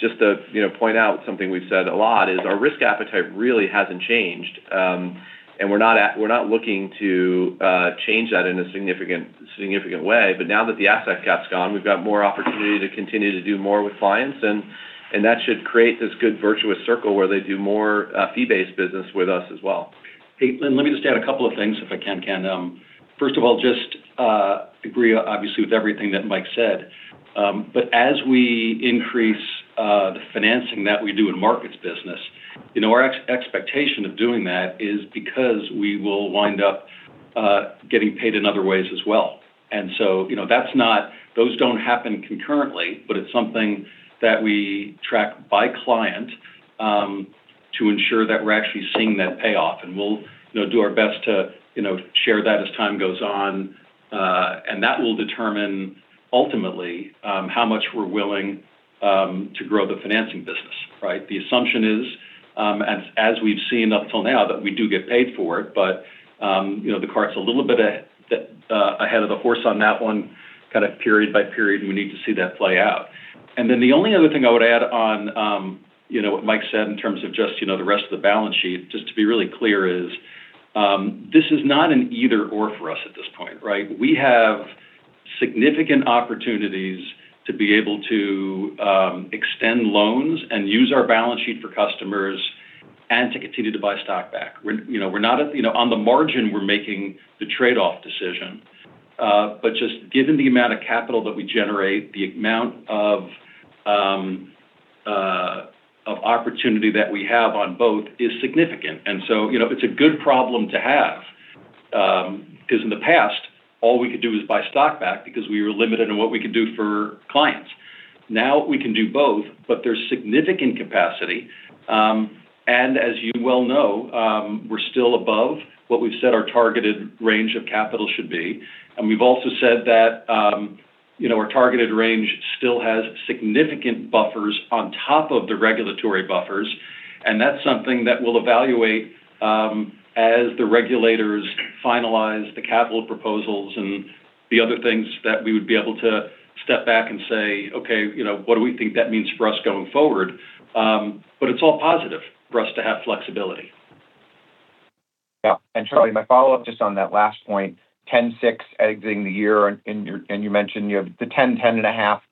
Just to point out something we've said a lot is our risk appetite really hasn't changed. We're not looking to change that in a significant way. But now that the asset cap's gone, we've got more opportunity to continue to do more with clients. And that should create this good virtuous circle where they do more fee-based business with us as well. Hey, let me just add a couple of things if I can. First of all, just agree, obviously, with everything that Mike said. But as we increase the financing that we do in markets business, our expectation of doing that is because we will wind up getting paid in other ways as well. And so those don't happen concurrently, but it's something that we track by client to ensure that we're actually seeing that payoff. And we'll do our best to share that as time goes on. And that will determine ultimately how much we're willing to grow the financing business, right? The assumption is, as we've seen up until now, that we do get paid for it. But the cart's a little bit ahead of the horse on that one, kind of period by period, and we need to see that play out. And then the only other thing I would add on what Mike said in terms of just the rest of the balance sheet, just to be really clear, is this is not an either/or for us at this point, right? We have significant opportunities to be able to extend loans and use our balance sheet for customers and to continue to buy stock back. We're not on the margin; we're making the trade-off decision. But just given the amount of capital that we generate, the amount of opportunity that we have on both is significant. And so it's a good problem to have because in the past, all we could do was buy stock back because we were limited in what we could do for clients. Now we can do both, but there's significant capacity. And as you well know, we're still above what we've said our targeted range of capital should be. And we've also said that our targeted range still has significant buffers on top of the regulatory buffers. And that's something that we'll evaluate as the regulators finalize the capital proposals and the other things that we would be able to step back and say, "Okay, what do we think that means for us going forward?" But it's all positive for us to have flexibility. Yeah. And Charlie, my follow-up just on that last point, 10.6 exiting the year, and you mentioned the 10, 10 and a half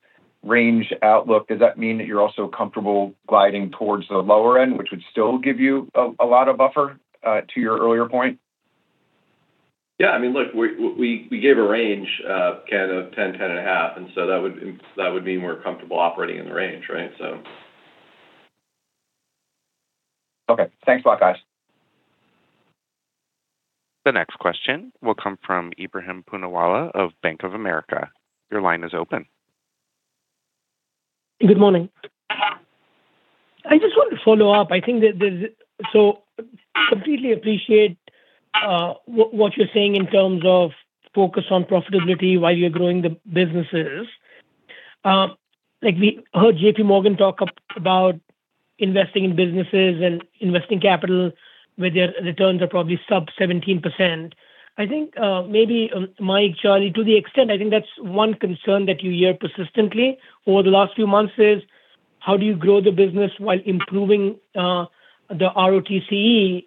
range outlook. Does that mean that you're also comfortable gliding towards the lower end, which would still give you a lot of buffer to your earlier point? Yeah. I mean, look, we gave a range kind of 10-10.5. And so that would mean we're comfortable operating in the range, right? So. Okay. Thanks a lot, guys. The next question will come from Ebrahim Poonawala of Bank of America. Your line is open. Good morning. I just want to follow up. I so completely appreciate what you're saying in terms of focus on profitability while you're growing the businesses. We heard JPMorgan talk about investing in businesses and investing capital where their returns are probably sub 17%. I think maybe, Mike, Charlie, to the extent I think that's one concern that you hear persistently over the last few months is how do you grow the business while improving the ROTCE,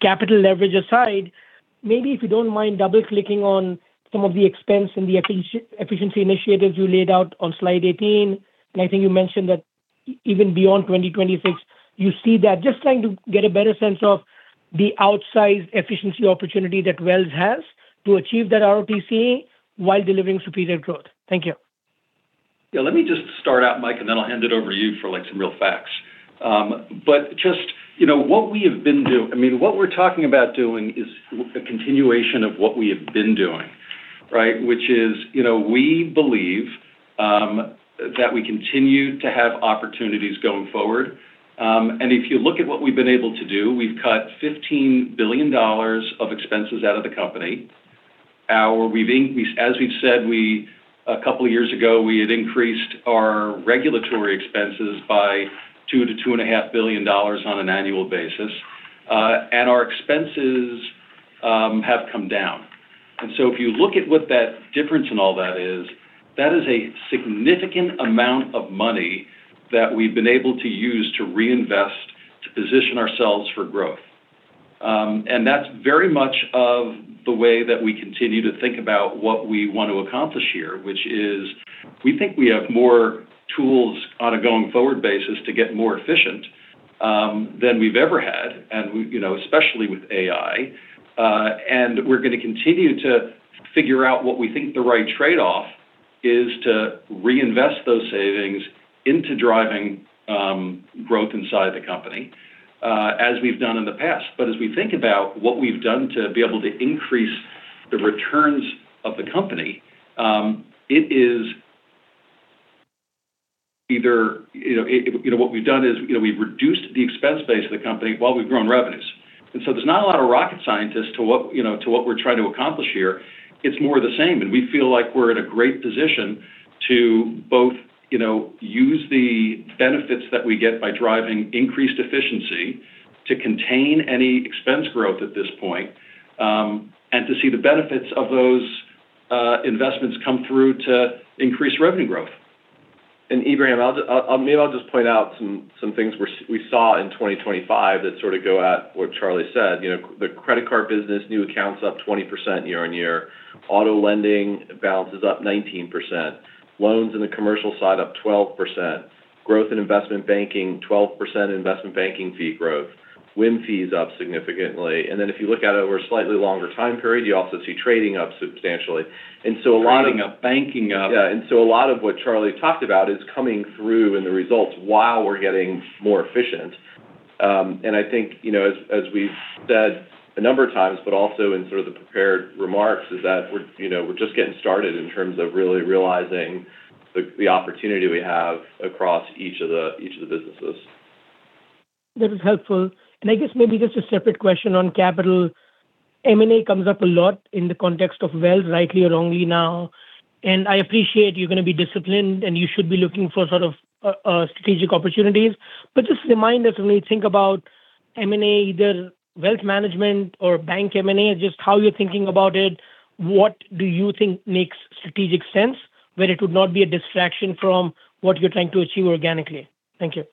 capital leverage aside? Maybe if you don't mind double-clicking on some of the expense and the efficiency initiatives you laid out on slide 18, and I think you mentioned that even beyond 2026, you see that just trying to get a better sense of the outsized efficiency opportunity that Wells has to achieve that ROTCE while delivering superior growth. Thank you. Yeah. Let me just start out, Mike, and then I'll hand it over to you for some real facts. But just what we have been doing I mean, what we're talking about doing is a continuation of what we have been doing, right, which is we believe that we continue to have opportunities going forward. And if you look at what we've been able to do, we've cut $15 billion of expenses out of the company. As we've said, a couple of years ago, we had increased our regulatory expenses by $2 billion-$2.5 billion on an annual basis. And our expenses have come down. And so if you look at what that difference in all that is, that is a significant amount of money that we've been able to use to reinvest, to position ourselves for growth. And that's very much of the way that we continue to think about what we want to accomplish here, which is we think we have more tools on a going forward basis to get more efficient than we've ever had, especially with AI. And we're going to continue to figure out what we think the right trade-off is to reinvest those savings into driving growth inside the company as we've done in the past. But as we think about what we've done to be able to increase the returns of the company, it is either what we've done is we've reduced the expense base of the company while we've grown revenues. And so there's not a lot of rocket science to what we're trying to accomplish here. It's more of the same. We feel like we're in a great position to both use the benefits that we get by driving increased efficiency to contain any expense growth at this point and to see the benefits of those investments come through to increase revenue growth. And Ebrahim, maybe I'll just point out some things we saw in 2025 that sort of go at what Charlie said. The credit card business, new accounts up 20% year on year. Auto lending balances up 19%. Loans in the commercial side up 12%. Growth in investment banking, 12% investment banking fee growth. WIM fees up significantly. And then if you look at it over a slightly longer time period, you also see trading up substantially. And so a lot of. Trading up, banking up. Yeah. And so a lot of what Charlie talked about is coming through in the results while we're getting more efficient. And I think as we've said a number of times, but also in sort of the prepared remarks, is that we're just getting started in terms of really realizing the opportunity we have across each of the businesses. That is helpful, and I guess maybe just a separate question on capital. M&A comes up a lot in the context of Wells rightly or wrongly now, and I appreciate you're going to be disciplined and you should be looking for sort of strategic opportunities, but just remind us when we think about M&A, either wealth management or bank M&A, just how you're thinking about it, what do you think makes strategic sense where it would not be a distraction from what you're trying to achieve organically? Thank you.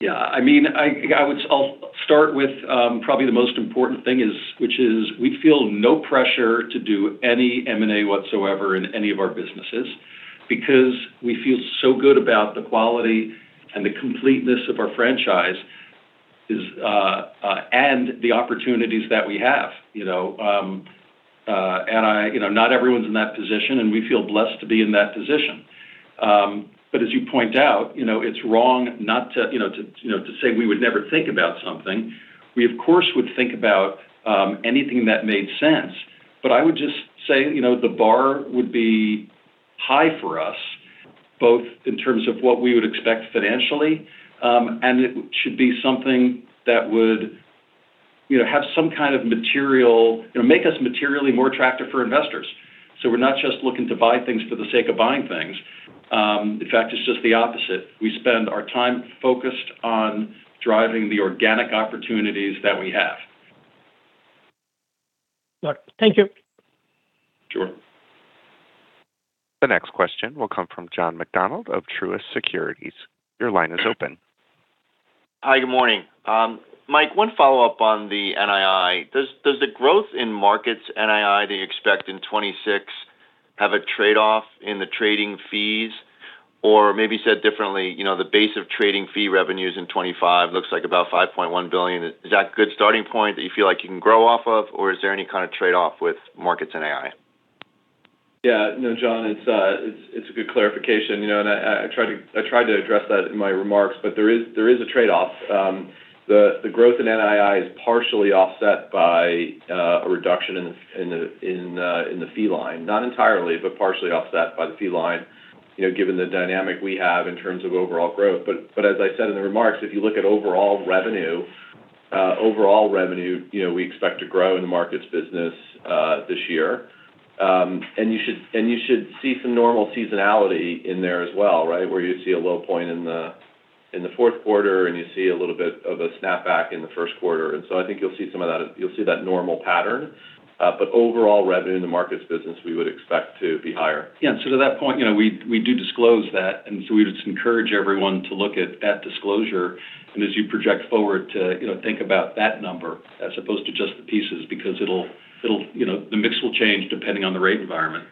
Yeah. I mean, I'll start with probably the most important thing, which is we feel no pressure to do any M&A whatsoever in any of our businesses because we feel so good about the quality and the completeness of our franchise and the opportunities that we have. And not everyone's in that position, and we feel blessed to be in that position. But as you point out, it's wrong not to say we would never think about something. We, of course, would think about anything that made sense. But I would just say the bar would be high for us, both in terms of what we would expect financially, and it should be something that would have some kind of material make us materially more attractive for investors. So we're not just looking to buy things for the sake of buying things. In fact, it's just the opposite. We spend our time focused on driving the organic opportunities that we have. Thank you. Sure. The next question will come from John McDonald of Truist Securities. Your line is open. Hi, good morning. Mike, one follow-up on the NII. Does the growth in markets NII that you expect in 2026 have a trade-off in the trading fees? Or maybe said differently, the base of trading fee revenues in 2025 looks like about $5.1 billion. Is that a good starting point that you feel like you can grow off of, or is there any kind of trade-off with markets NII? Yeah. No, John, it's a good clarification. And I tried to address that in my remarks, but there is a trade-off. The growth in NII is partially offset by a reduction in the fee line. Not entirely, but partially offset by the fee line given the dynamic we have in terms of overall growth. But as I said in the remarks, if you look at overall revenue, overall revenue, we expect to grow in the markets business this year. And you should see some normal seasonality in there as well, right, where you see a low point in the Q4 and you see a little bit of a snapback in the Q1. And so I think you'll see some of that. You'll see that normal pattern. But overall revenue in the markets business, we would expect to be higher. Yeah. And so to that point, we do disclose that. And so we would just encourage everyone to look at disclosure and, as you project forward, to think about that number as opposed to just the pieces because the mix will change depending on the rate environment.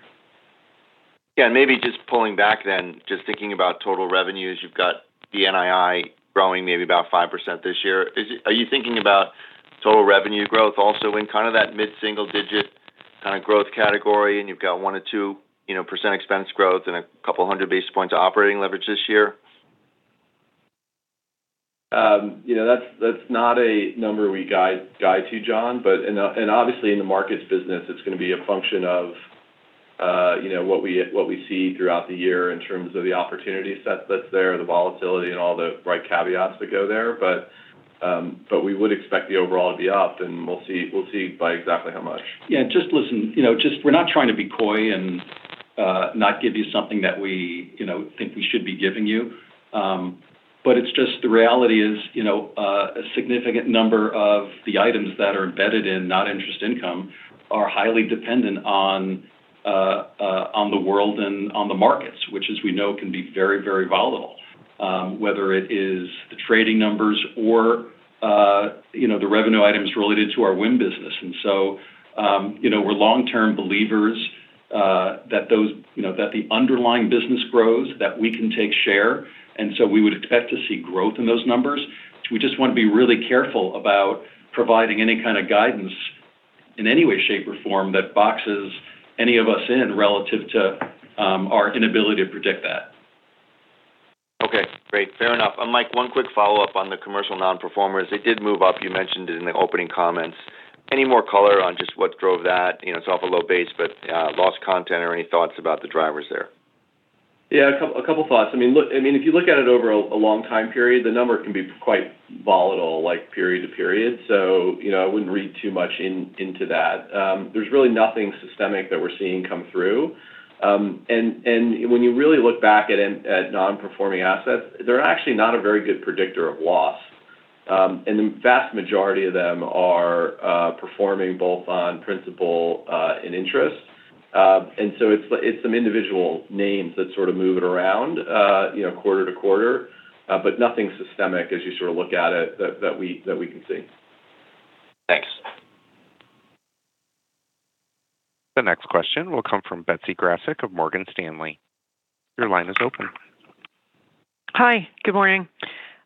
Yeah. And maybe just pulling back then, just thinking about total revenues, you've got the NII growing maybe about 5% this year. Are you thinking about total revenue growth also in kind of that mid-single digit kind of growth category? And you've got 1%-2% expense growth and a couple hundred basis points of operating leverage this year? That's not a number we guide to, John. And obviously, in the markets business, it's going to be a function of what we see throughout the year in terms of the opportunity that's there, the volatility, and all the right caveats that go there. But we would expect the overall to be up, and we'll see by exactly how much. Yeah. Just listen, we're not trying to be coy and not give you something that we think we should be giving you. But it's just the reality is a significant number of the items that are embedded in net interest income are highly dependent on the world and on the markets, which, as we know, can be very, very volatile, whether it is the trading numbers or the revenue items related to our WIM business. And so we're long-term believers that the underlying business grows, that we can take share. And so we would expect to see growth in those numbers. We just want to be really careful about providing any kind of guidance in any way, shape, or form that boxes any of us in relative to our inability to predict that. Okay. Great. Fair enough. Mike, one quick follow-up on the commercial non-performers. It did move up. You mentioned it in the opening comments. Any more color on just what drove that? It's off a low base, but loss content or any thoughts about the drivers there? Yeah. A couple of thoughts. I mean, if you look at it over a long time period, the number can be quite volatile like period to period. So I wouldn't read too much into that. There's really nothing systemic that we're seeing come through. And when you really look back at non-performing assets, they're actually not a very good predictor of loss. And the vast majority of them are performing both on principal and interest. And so it's some individual names that sort of move it around quarter to quarter, but nothing systemic as you sort of look at it that we can see. Thanks. The next question will come from Betsy Graseck of Morgan Stanley. Your line is open. Hi. Good morning.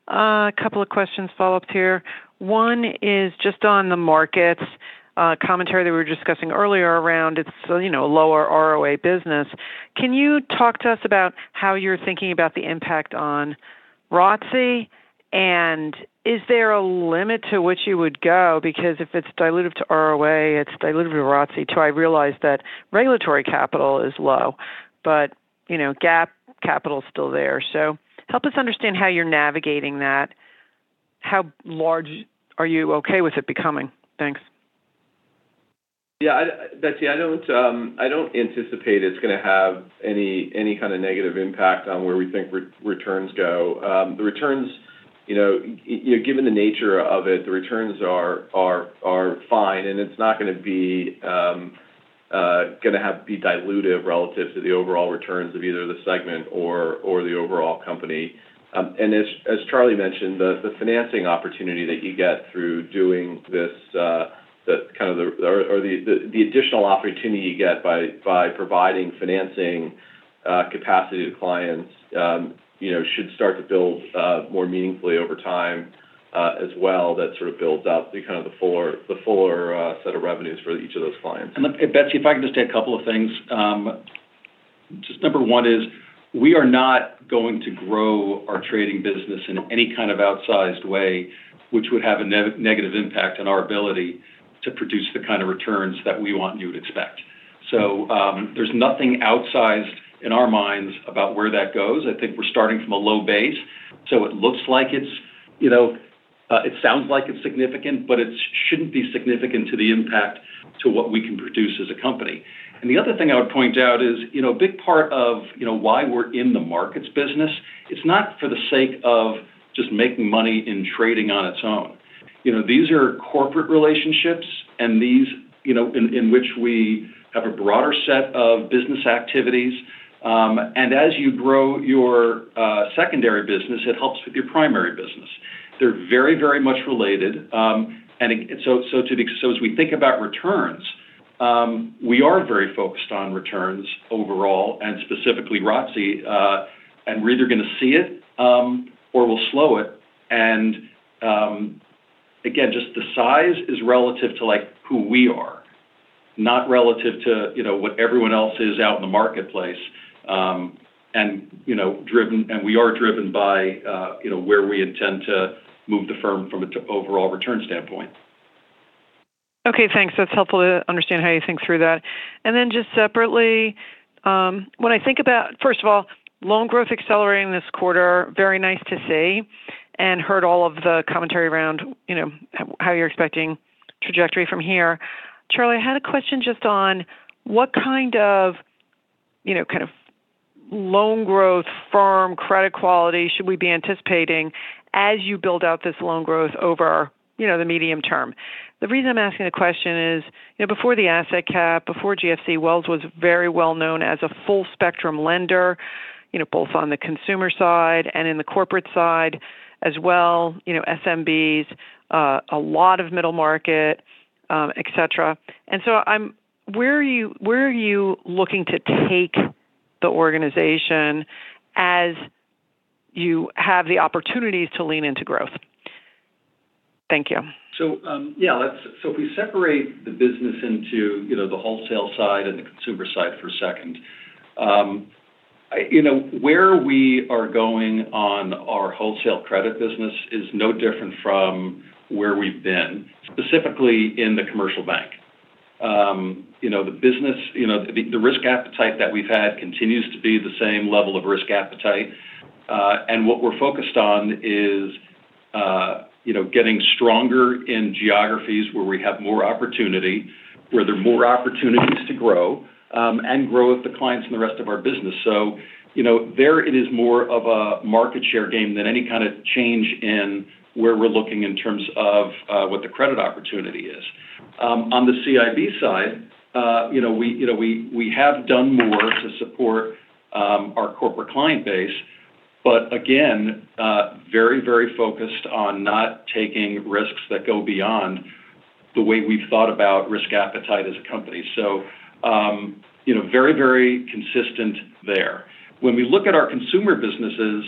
A couple of questions, follow-ups here. One is just on the markets commentary that we were discussing earlier around it's a lower ROA business. Can you talk to us about how you're thinking about the impact on ROTCE? And is there a limit to which you would go? Because if it's diluted to ROA, it's diluted to ROTCE too, I realize that regulatory capital is low, but GAAP capital is still there. So help us understand how you're navigating that. How large are you okay with it becoming? Thanks. Yeah. Betsy, I don't anticipate it's going to have any kind of negative impact on where we think returns go. The returns, given the nature of it, the returns are fine. And it's not going to be diluted relative to the overall returns of either the segment or the overall company. And as Charlie mentioned, the financing opportunity that you get through doing this, kind of the additional opportunity you get by providing financing capacity to clients should start to build more meaningfully over time as well. That sort of builds up kind of the fuller set of revenues for each of those clients. And Betsy, if I can just say a couple of things. Just number one is we are not going to grow our trading business in any kind of outsized way, which would have a negative impact on our ability to produce the kind of returns that we want and you would expect. So there's nothing outsized in our minds about where that goes. I think we're starting from a low base. So it looks like it sounds like it's significant, but it shouldn't be significant to the impact to what we can produce as a company. The other thing I would point out is a big part of why we're in the markets business. It's not for the sake of just making money in trading on its own. These are corporate relationships in which we have a broader set of business activities. And as you grow your secondary business, it helps with your primary business. They're very, very much related. And so as we think about returns, we are very focused on returns overall and specifically ROTCE. And we're either going to see it or we'll slow it. And again, just the size is relative to who we are, not relative to what everyone else is out in the marketplace. And we are driven by where we intend to move the firm from an overall return standpoint. Okay. Thanks. That's helpful to understand how you think through that. And then just separately, when I think about, first of all, loan growth accelerating this quarter, very nice to see and heard all of the commentary around how you're expecting trajectory from here. Charlie, I had a question just on what kind of loan growth, firm credit quality should we be anticipating as you build out this loan growth over the medium term? The reason I'm asking the question is before the asset cap, before GFC, Wells was very well known as a full-spectrum lender, both on the consumer side and in the corporate side as well, SMBs, a lot of middle market, etc. And so where are you looking to take the organization as you have the opportunities to lean into growth? Thank you. So yeah, so if we separate the business into the wholesale side and the consumer side for a second, where we are going on our wholesale credit business is no different from where we've been, specifically in the commercial bank. The risk appetite that we've had continues to be the same level of risk appetite. And what we're focused on is getting stronger in geographies where we have more opportunity, where there are more opportunities to grow and grow with the clients and the rest of our business. So there it is more of a market share game than any kind of change in where we're looking in terms of what the credit opportunity is. On the CIB side, we have done more to support our corporate client base, but again, very, very focused on not taking risks that go beyond the way we've thought about risk appetite as a company, so very, very consistent there. When we look at our consumer businesses,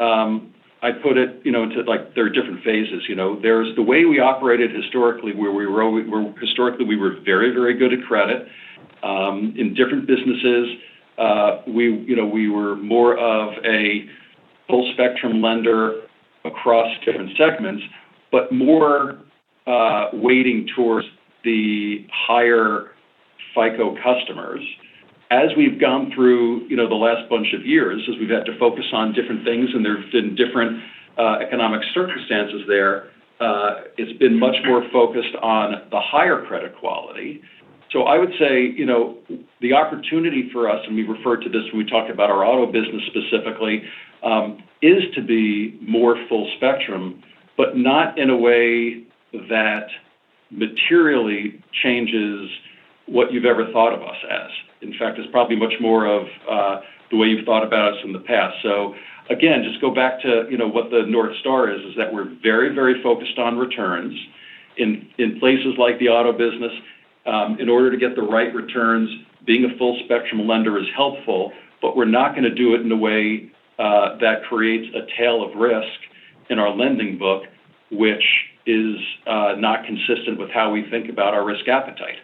I put it into there are different phases. There's the way we operated historically where we were very, very good at credit. In different businesses, we were more of a full-spectrum lender across different segments, but more weighting towards the higher FICO customers. As we've gone through the last bunch of years, as we've had to focus on different things and there have been different economic circumstances there, it's been much more focused on the higher credit quality. So I would say the opportunity for us, and we refer to this when we talk about our auto business specifically, is to be more full-spectrum, but not in a way that materially changes what you've ever thought of us as. In fact, it's probably much more of the way you've thought about us in the past. So again, just go back to what the North Star is, is that we're very, very focused on returns. In places like the auto business, in order to get the right returns, being a full-spectrum lender is helpful, but we're not going to do it in a way that creates a tail of risk in our lending book, which is not consistent with how we think about our risk appetite.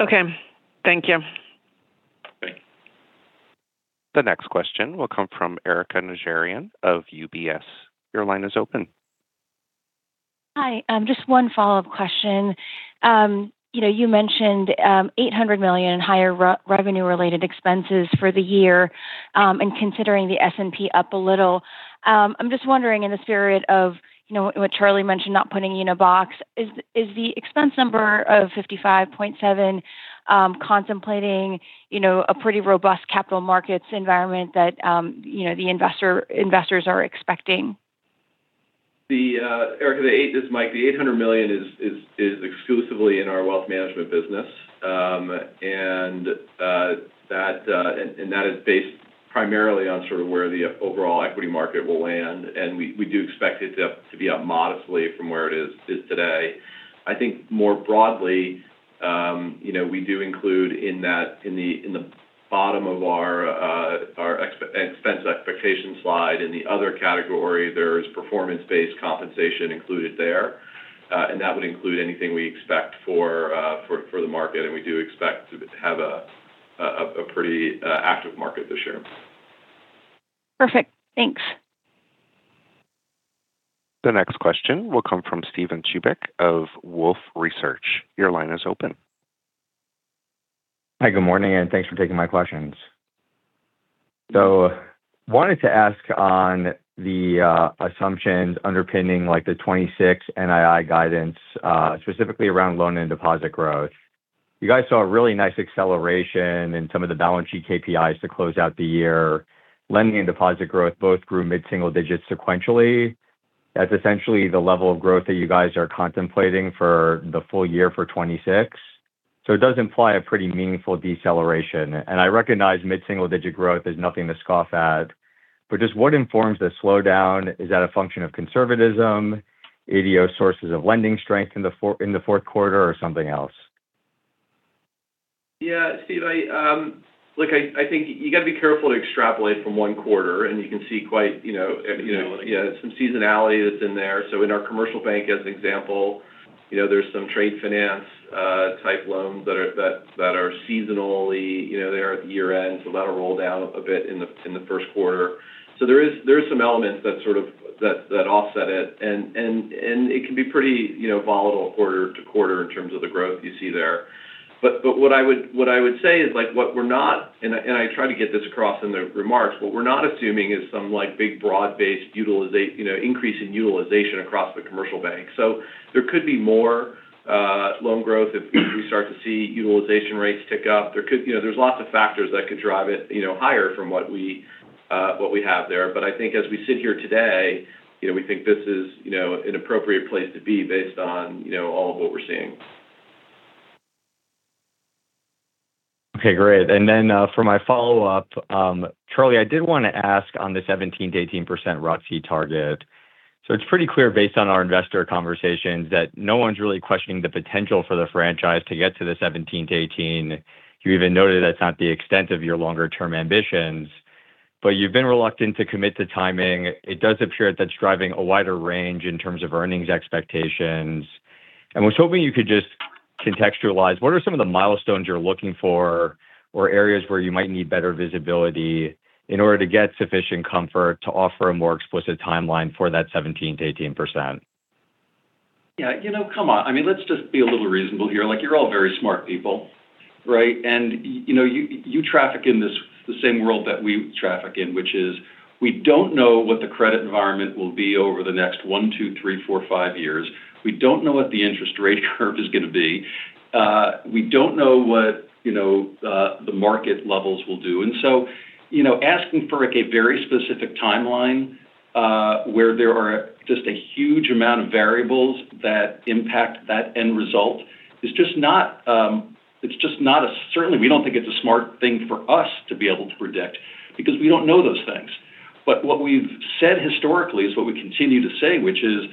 Okay. Thank you. Thanks. The next question will come from Erika Najarian of UBS. Your line is open. Hi. Just one follow-up question. You mentioned $800 million in higher revenue-related expenses for the year and considering the S&P up a little. I'm just wondering in the spirit of what Charlie mentioned, not putting you in a box, is the expense number of $55.7 contemplating a pretty robust capital markets environment that the investors are expecting? Erika, the $800 million is exclusively in our wealth management business. And that is based primarily on sort of where the overall equity market will land. And we do expect it to be up modestly from where it is today. I think more broadly, we do include in that in the bottom of our expense expectation slide in the other category, there is performance-based compensation included there. And that would include anything we expect for the market. And we do expect to have a pretty active market this year. Perfect. Thanks. The next question will come from Steven Chubak of Wolfe Research. Your line is open. Hi. Good morning. And thanks for taking my questions. So wanted to ask on the assumptions underpinning the 2026 NII guidance, specifically around loan and deposit growth. You guys saw a really nice acceleration in some of the balance sheet KPIs to close out the year. Lending and deposit growth both grew mid-single digits sequentially. That's essentially the level of growth that you guys are contemplating for the full year for 2026. So it does imply a pretty meaningful deceleration. And I recognize mid-single digit growth is nothing to scoff at. But just what informs the slowdown? Is that a function of conservatism, idiosyncrasies of lending strength in the Q4, or something else? Yeah. Steve, look. I think you got to be careful to extrapolate from one quarter, and you can see quite some seasonality that's in there. So in our commercial bank, as an example, there's some trade finance type loans that are seasonally there at the year-end. So that'll roll down a bit in the Q1. So there are some elements that sort of offset it. And it can be pretty volatile quarter to quarter in terms of the growth you see there. But what I would say is, what we're not, and I try to get this across in the remarks, what we're not assuming is some big broad-based increase in utilization across the commercial bank. So there could be more loan growth if we start to see utilization rates tick up. There's lots of factors that could drive it higher from what we have there. But I think as we sit here today, we think this is an appropriate place to be based on all of what we're seeing. Okay. Great. And then for my follow-up, Charlie, I did want to ask on the 17%-18% ROTCE target. So it's pretty clear based on our investor conversations that no one's really questioning the potential for the franchise to get to the 17%-18%. You even noted that's not the extent of your longer-term ambitions. But you've been reluctant to commit to timing. It does appear that's driving a wider range in terms of earnings expectations. And I was hoping you could just contextualize what are some of the milestones you're looking for or areas where you might need better visibility in order to get sufficient comfort to offer a more explicit timeline for that 17%-18%? Yeah. Come on. I mean, let's just be a little reasonable here. You're all very smart people, right? And you traffic in the same world that we traffic in, which is we don't know what the credit environment will be over the next one, two, three, four, five years. We don't know what the interest rate curve is going to be. We don't know what the market levels will do, and so asking for a very specific timeline where there are just a huge amount of variables that impact that end result is just not, it's just not a, certainly, we don't think it's a smart thing for us to be able to predict because we don't know those things, but what we've said historically is what we continue to say, which is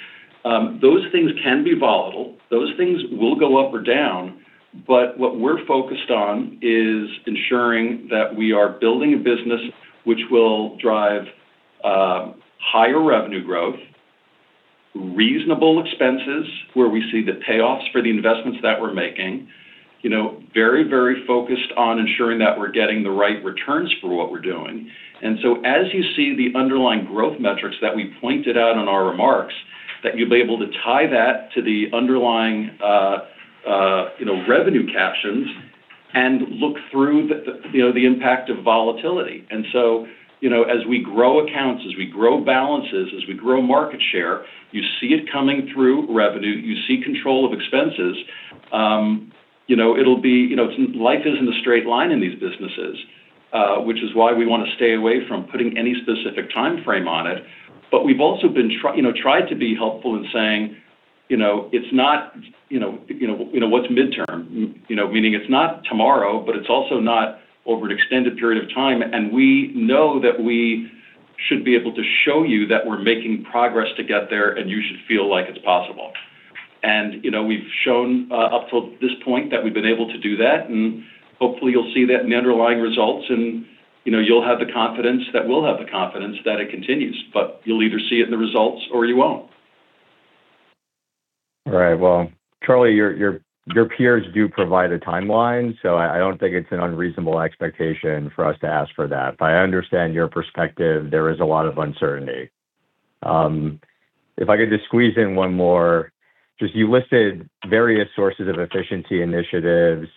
those things can be volatile. Those things will go up or down. But what we're focused on is ensuring that we are building a business which will drive higher revenue growth, reasonable expenses where we see the payoffs for the investments that we're making, very, very focused on ensuring that we're getting the right returns for what we're doing. And so as you see the underlying growth metrics that we pointed out in our remarks, that you'll be able to tie that to the underlying revenue captions and look through the impact of volatility. And so as we grow accounts, as we grow balances, as we grow market share, you see it coming through revenue. You see control of expenses. It'll be. Life isn't a straight line in these businesses, which is why we want to stay away from putting any specific timeframe on it. But we've also been trying to be helpful in saying it's not. What's midterm? Meaning it's not tomorrow, but it's also not over an extended period of time. And we know that we should be able to show you that we're making progress to get there, and you should feel like it's possible. And we've shown up to this point that we've been able to do that. And hopefully, you'll see that in the underlying results. And you'll have the confidence that we'll have the confidence that it continues. But you'll either see it in the results or you won't. All right. Well, Charlie, your peers do provide a timeline. So I don't think it's an unreasonable expectation for us to ask for that. I understand your perspective. There is a lot of uncertainty. If I could just squeeze in one more, just you listed various sources of efficiency initiatives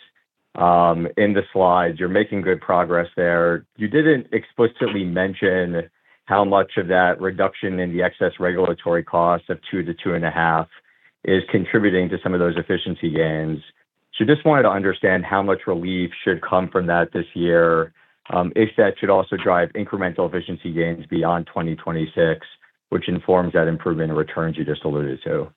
in the slides. You're making good progress there. You didn't explicitly mention how much of that reduction in the excess regulatory cost of two to two and a half is contributing to some of those efficiency gains. So just wanted to understand how much relief should come from that this year, if that should also drive incremental efficiency gains beyond 2026, which informs that improvement in returns you just alluded to.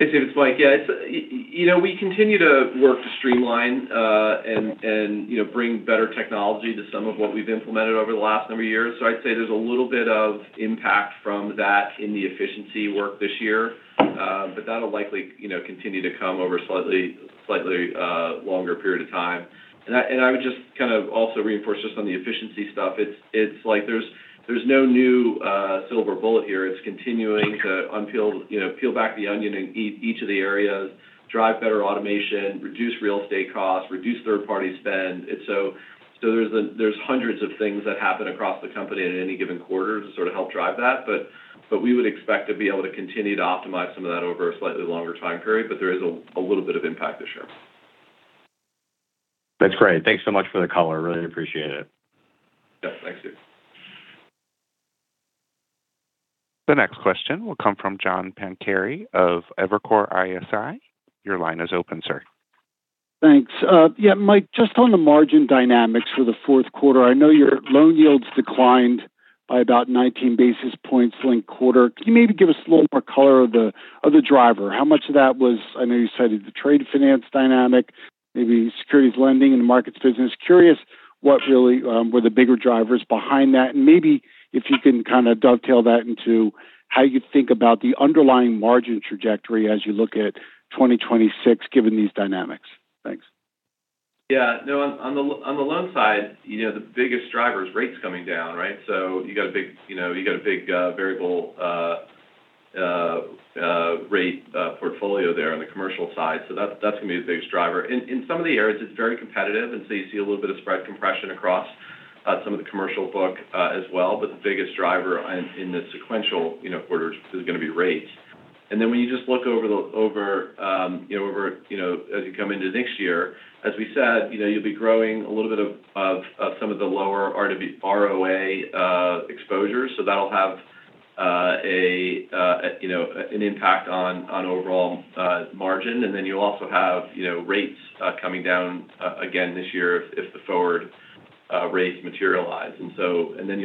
It's like, yeah, we continue to work to streamline and bring better technology to some of what we've implemented over the last number of years. So I'd say there's a little bit of impact from that in the efficiency work this year. But that'll likely continue to come over a slightly longer period of time. And I would just kind of also reinforce just on the efficiency stuff. It's like there's no new silver bullet here. It's continuing to peel back the onion and eat each of the areas, drive better automation, reduce real estate costs, reduce third-party spend. And so there's hundreds of things that happen across the company in any given quarter to sort of help drive that. But we would expect to be able to continue to optimize some of that over a slightly longer time period. But there is a little bit of impact this year. That's great. Thanks so much for the color. Really appreciate it. Yeah. Thanks, Steve. The next question will come from John Pancari of Evercore ISI. Your line is open, sir. Thanks. Yeah. Mike, just on the margin dynamics for the Q4, I know your loan yields declined by about 19 basis points linked quarter. Can you maybe give us a little more color of the driver? How much of that was, I know you cited the trade finance dynamic, maybe securities lending and the markets business. Curious what really were the bigger drivers behind that. And maybe if you can kind of dovetail that into how you think about the underlying margin trajectory as you look at 2026 given these dynamics. Thanks. Yeah. No, on the loan side, the biggest driver is rates coming down, right? So you got a big variable rate portfolio there on the commercial side. So that's going to be the biggest driver. In some of the areas, it's very competitive. And so you see a little bit of spread compression across some of the commercial book as well. But the biggest driver in the sequential quarters is going to be rates. And then when you just look over as you come into next year, as we said, you'll be growing a little bit of some of the lower ROA exposure. So that'll have an impact on overall margin. And then you'll also have rates coming down again this year if the forward rates materialize. And then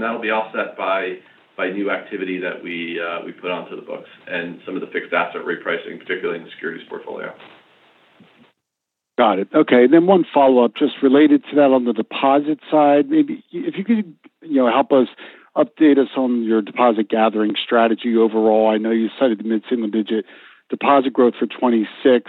that'll be offset by new activity that we put onto the books and some of the fixed asset repricing, particularly in the securities portfolio. Got it. Okay. Then one follow-up just related to that on the deposit side. Maybe if you could help us update us on your deposit gathering strategy overall. I know you cited the mid-single digit deposit growth for 2026.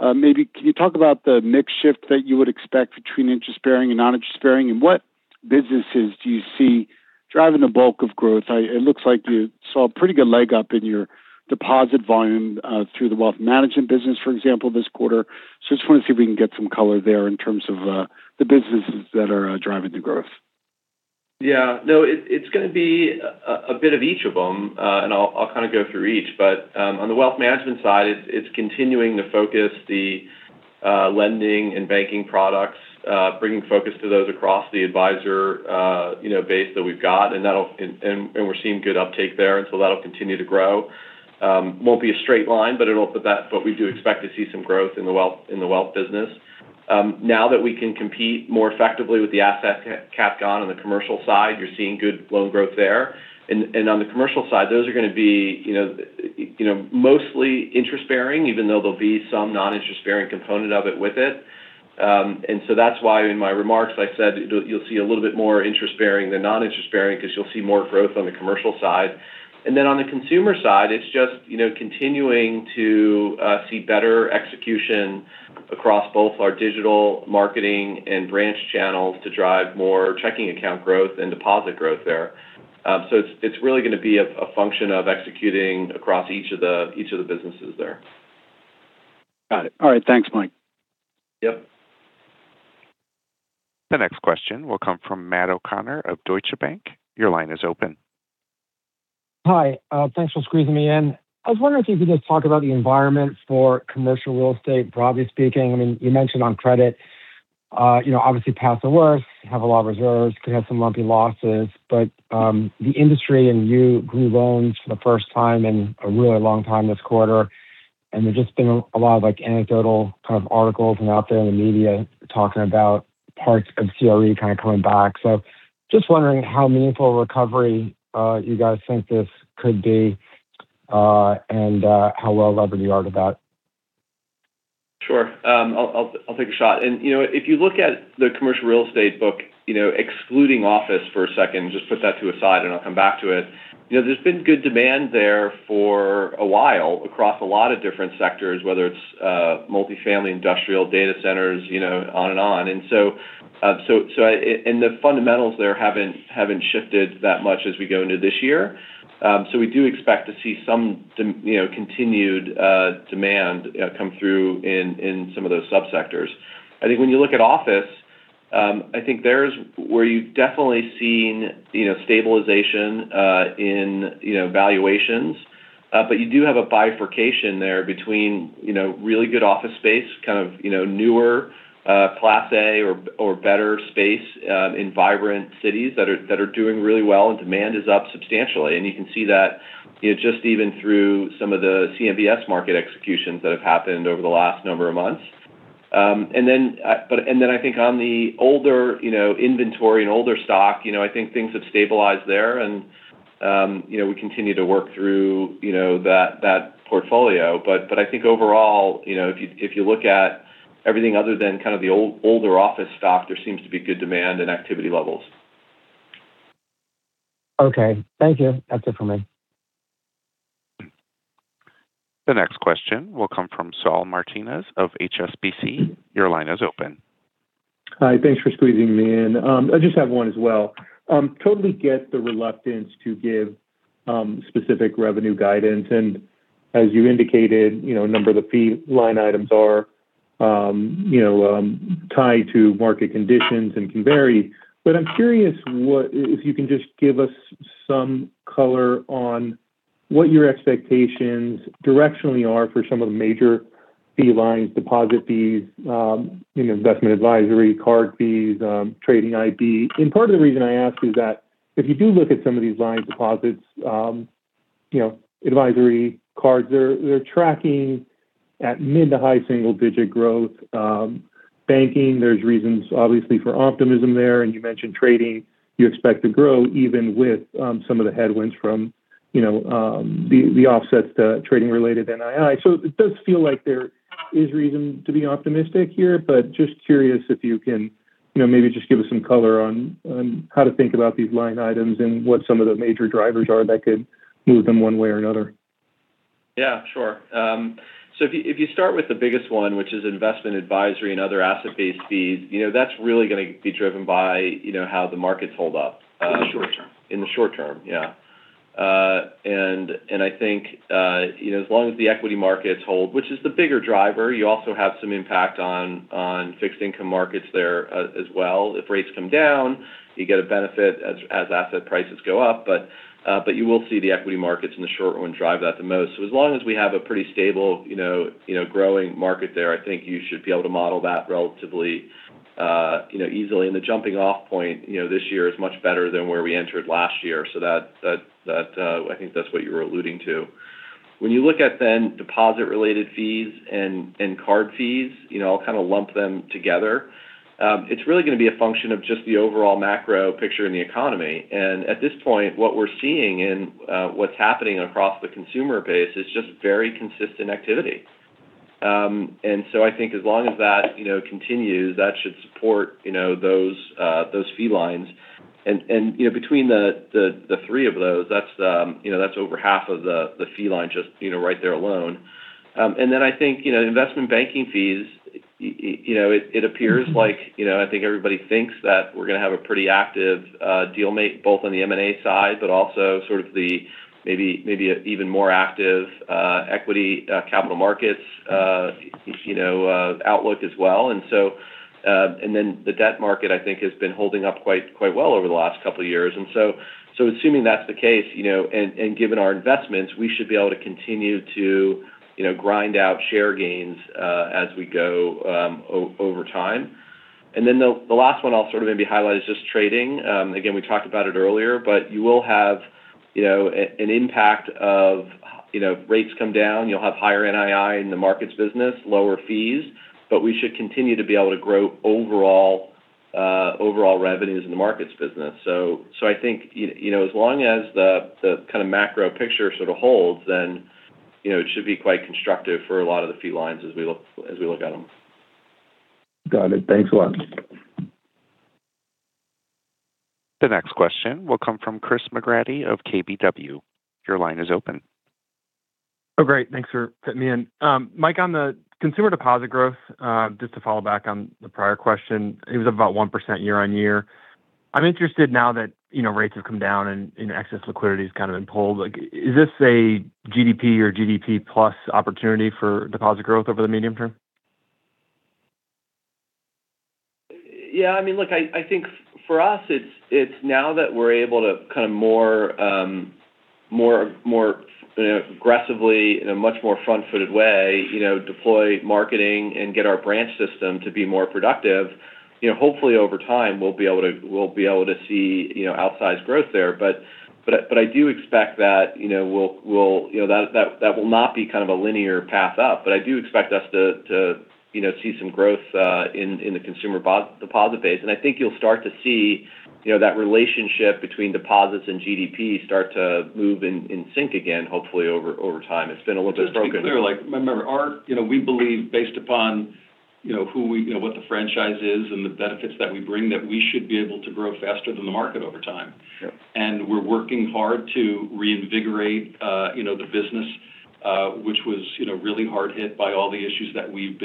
Maybe can you talk about the mix shift that you would expect between interest-bearing and non-interest-bearing? And what businesses do you see driving the bulk of growth? It looks like you saw a pretty good leg up in your deposit volume through the wealth management business, for example, this quarter. So I just want to see if we can get some color there in terms of the businesses that are driving the growth. Yeah. No, it's going to be a bit of each of them. And I'll kind of go through each. But on the wealth management side, it's continuing to focus the lending and banking products, bringing focus to those across the advisor base that we've got. And we're seeing good uptake there. And so that'll continue to grow. Won't be a straight line, but it'll—but we do expect to see some growth in the wealth business. Now that we can compete more effectively with the asset cap gone on the commercial side, you're seeing good loan growth there. And on the commercial side, those are going to be mostly interest-bearing, even though there'll be some non-interest-bearing component of it with it. And so that's why in my remarks I said you'll see a little bit more interest-bearing than non-interest-bearing because you'll see more growth on the commercial side. And then on the consumer side, it's just continuing to see better execution across both our digital marketing and branch channels to drive more checking account growth and deposit growth there. So it's really going to be a function of executing across each of the businesses there. Got it. All right. Thanks, Mike. Yep. The next question will come from Matt O'Connor of Deutsche Bank. Your line is open. Hi. Thanks for squeezing me in. I was wondering if you could just talk about the environment for commercial real estate, broadly speaking. I mean, you mentioned on credit, obviously past the worst, have a lot of reserves, could have some lumpy losses. But the industry and you grew loans for the first time in a really long time this quarter. And there's just been a lot of anecdotal kind of articles out there in the media talking about parts of CRE kind of coming back. So just wondering how meaningful recovery you guys think this could be and how well-levered you are to that. Sure. I'll take a shot. And if you look at the commercial real estate book, excluding office for a second, just put that to a side and I'll come back to it. There's been good demand there for a while across a lot of different sectors, whether it's multifamily, industrial, data centers, on and on. And so the fundamentals there haven't shifted that much as we go into this year. So we do expect to see some continued demand come through in some of those subsectors. I think when you look at office, I think there's where you've definitely seen stabilization in valuations. But you do have a bifurcation there between really good office space, kind of newer Class A or better space in vibrant cities that are doing really well, and demand is up substantially. You can see that just even through some of the CMBS market executions that have happened over the last number of months. Then I think on the older inventory and older stock, I think things have stabilized there. We continue to work through that portfolio. But I think overall, if you look at everything other than kind of the older office stock, there seems to be good demand and activity levels. Okay. Thank you. That's it for me. The next question will come from Saul Martinez of HSBC. Your line is open. Hi. Thanks for squeezing me in. I just have one as well. Totally get the reluctance to give specific revenue guidance. And as you indicated, a number of the fee line items are tied to market conditions and can vary. But I'm curious if you can just give us some color on what your expectations directionally are for some of the major fee lines, deposit fees, investment advisory, card fees, trading IP. And part of the reason I ask is that if you do look at some of these lines, deposits, advisory, cards, they're tracking at mid to high single-digit growth. Banking, there's reasons obviously for optimism there. And you mentioned trading. You expect to grow even with some of the headwinds from the offsets to trading-related NII. So it does feel like there is reason to be optimistic here. But just curious if you can maybe just give us some color on how to think about these line items and what some of the major drivers are that could move them one way or another? Yeah. Sure. So if you start with the biggest one, which is investment advisory and other asset-based fees, that's really going to be driven by how the markets hold up. In the short term. In the short term. Yeah. And I think as long as the equity markets hold, which is the bigger driver, you also have some impact on fixed income markets there as well. If rates come down, you get a benefit as asset prices go up. But you will see the equity markets in the short run drive that the most. So as long as we have a pretty stable growing market there, I think you should be able to model that relatively easily. And the jumping-off point this year is much better than where we entered last year. So I think that's what you were alluding to. When you look at then deposit-related fees and card fees, I'll kind of lump them together. It's really going to be a function of just the overall macro picture in the economy. At this point, what we're seeing and what's happening across the consumer base is just very consistent activity. And so I think as long as that continues, that should support those fee lines. And between the three of those, that's over half of the fee line just right there alone. And then I think investment banking fees, it appears like I think everybody thinks that we're going to have a pretty active dealmaking both on the M&A side, but also sort of the maybe even more active equity capital markets outlook as well. And then the debt market, I think, has been holding up quite well over the last couple of years. And so assuming that's the case and given our investments, we should be able to continue to grind out share gains as we go over time. And then the last one I'll sort of maybe highlight is just trading. Again, we talked about it earlier, but you will have an impact of rates come down. You'll have higher NII in the markets business, lower fees. But we should continue to be able to grow overall revenues in the markets business. So I think as long as the kind of macro picture sort of holds, then it should be quite constructive for a lot of the fee lines as we look at them. Got it. Thanks a lot. The next question will come from Chris McGratty of KBW. Your line is open. Oh, great. Thanks for fitting me in. Mike, on the consumer deposit growth, just to follow up on the prior question, it was about 1% year on year. I'm interested now that rates have come down and excess liquidity has kind of been pulled. Is this a GDP or GDP plus opportunity for deposit growth over the medium term? Yeah. I mean, look, I think for us, it's now that we're able to kind of more aggressively, in a much more front-footed way, deploy marketing and get our branch system to be more productive. Hopefully, over time, we'll be able to see outsized growth there. But I do expect that we'll not be kind of a linear path up. But I do expect us to see some growth in the consumer deposit base. And I think you'll start to see that relationship between deposits and GDP start to move in sync again, hopefully, over time. It's been a little bit broken. Just to be clear, remember, we believe based upon who we are and what the franchise is and the benefits that we bring, that we should be able to grow faster than the market over time. And we're working hard to reinvigorate the business, which was really hard hit by all the issues that we've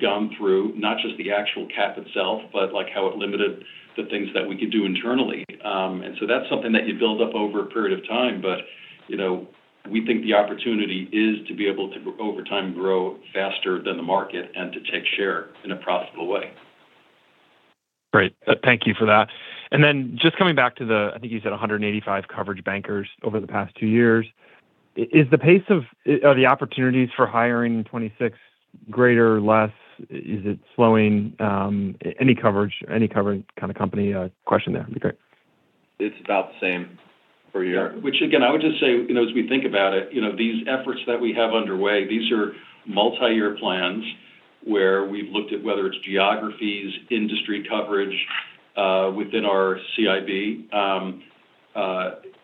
gone through, not just the asset cap itself, but how it limited the things that we could do internally. And so that's something that you build up over a period of time. But we think the opportunity is to be able to, over time, grow faster than the market and to take share in a profitable way. Great. Thank you for that. And then just coming back to the I think you said 185 coverage bankers over the past two years. Is the pace of the opportunities for hiring in 2026 greater or less? Is it slowing? Any coverage kind of company question there would be great. It's about the same for a year. Which, again, I would just say, as we think about it, these efforts that we have underway. These are multi-year plans where we've looked at whether it's geographies, industry coverage within our CIB.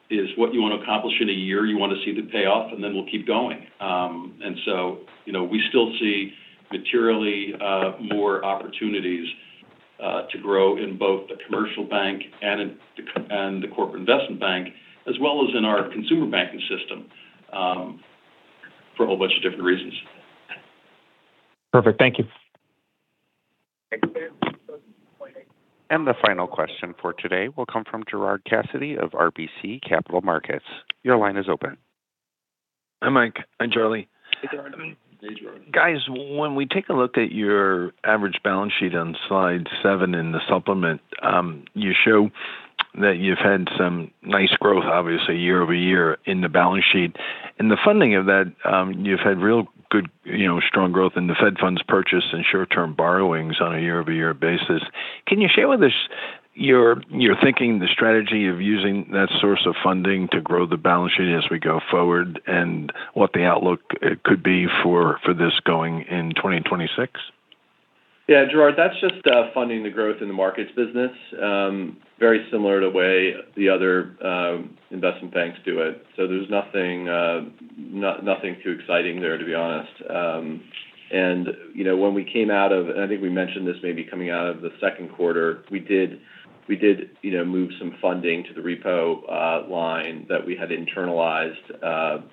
Is what you want to accomplish in a year. You want to see the payoff, and then we'll keep going. And so we still see materially more opportunities to grow in both the commercial bank and the Corporate Investment Bank, as well as in our consumer banking system for a whole bunch of different reasons. Perfect. Thank you. And the final question for today will come from Gerard Cassidy of RBC Capital Markets. Your line is open. Hi, Mike. and Charlie. Hey, Gerard. Hey, Gerard. Guys, when we take a look at your average balance sheet on slide seven in the supplement, you show that you've had some nice growth, obviously, year-over-year in the balance sheet. And the funding of that, you've had real good, strong growth in the Fed funds purchase and short-term borrowings on a year-over-year basis. Can you share with us your thinking, the strategy of using that source of funding to grow the balance sheet as we go forward and what the outlook could be for this going in 2026? Yeah. Gerard, that's just funding the growth in the markets business, very similar to the way the other investment banks do it. So there's nothing too exciting there, to be honest. And when we came out of, and I think we mentioned this maybe coming out of Q2, we did move some funding to the repo line that we had internalized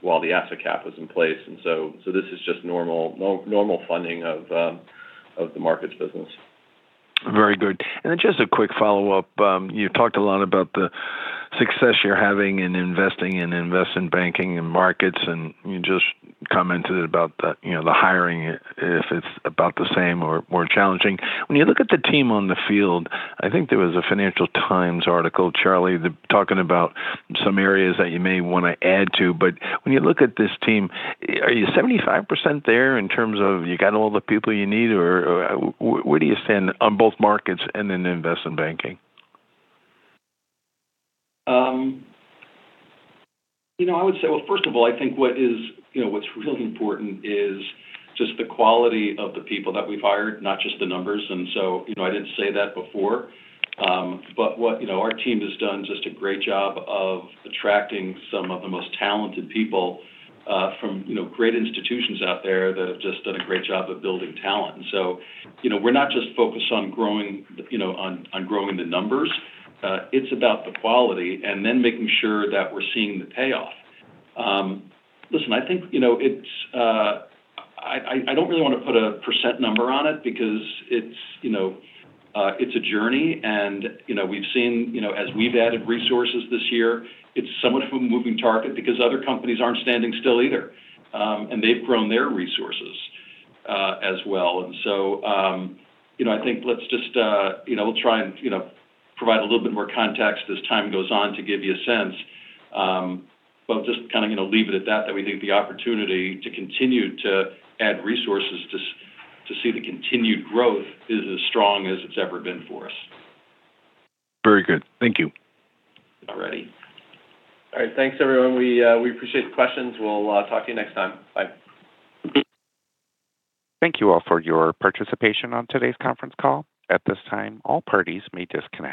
while the asset cap was in place. And so this is just normal funding of the markets business. Very good. And then just a quick follow-up. You've talked a lot about the success you're having in investing in investment banking and markets, and you just commented about the hiring, if it's about the same or more challenging. When you look at the team on the field, I think there was a Financial Times article, Charlie, talking about some areas that you may want to add to. But when you look at this team, are you 75% there in terms of you got all the people you need? Or where do you stand on both markets and in investment banking? I would say, well, first of all, I think what's really important is just the quality of the people that we've hired, not just the numbers. And so I didn't say that before. But what our team has done is just a great job of attracting some of the most talented people from great institutions out there that have just done a great job of building talent. And so we're not just focused on growing the numbers. It's about the quality and then making sure that we're seeing the payoff. Listen, I think it's. I don't really want to put a percent number on it because it's a journey. And we've seen, as we've added resources this year, it's somewhat of a moving target because other companies aren't standing still either. And they've grown their resources as well. And so I think let's just, we'll try and provide a little bit more context as time goes on to give you a sense. But I'll just kind of leave it at that, that we think the opportunity to continue to add resources to see the continued growth is as strong as it's ever been for us. Very good. Thank you. All righty. All right. Thanks, everyone. We appreciate the questions. We'll talk to you next time. Bye. Thank you all for your participation on today's conference call. At this time, all parties may disconnect.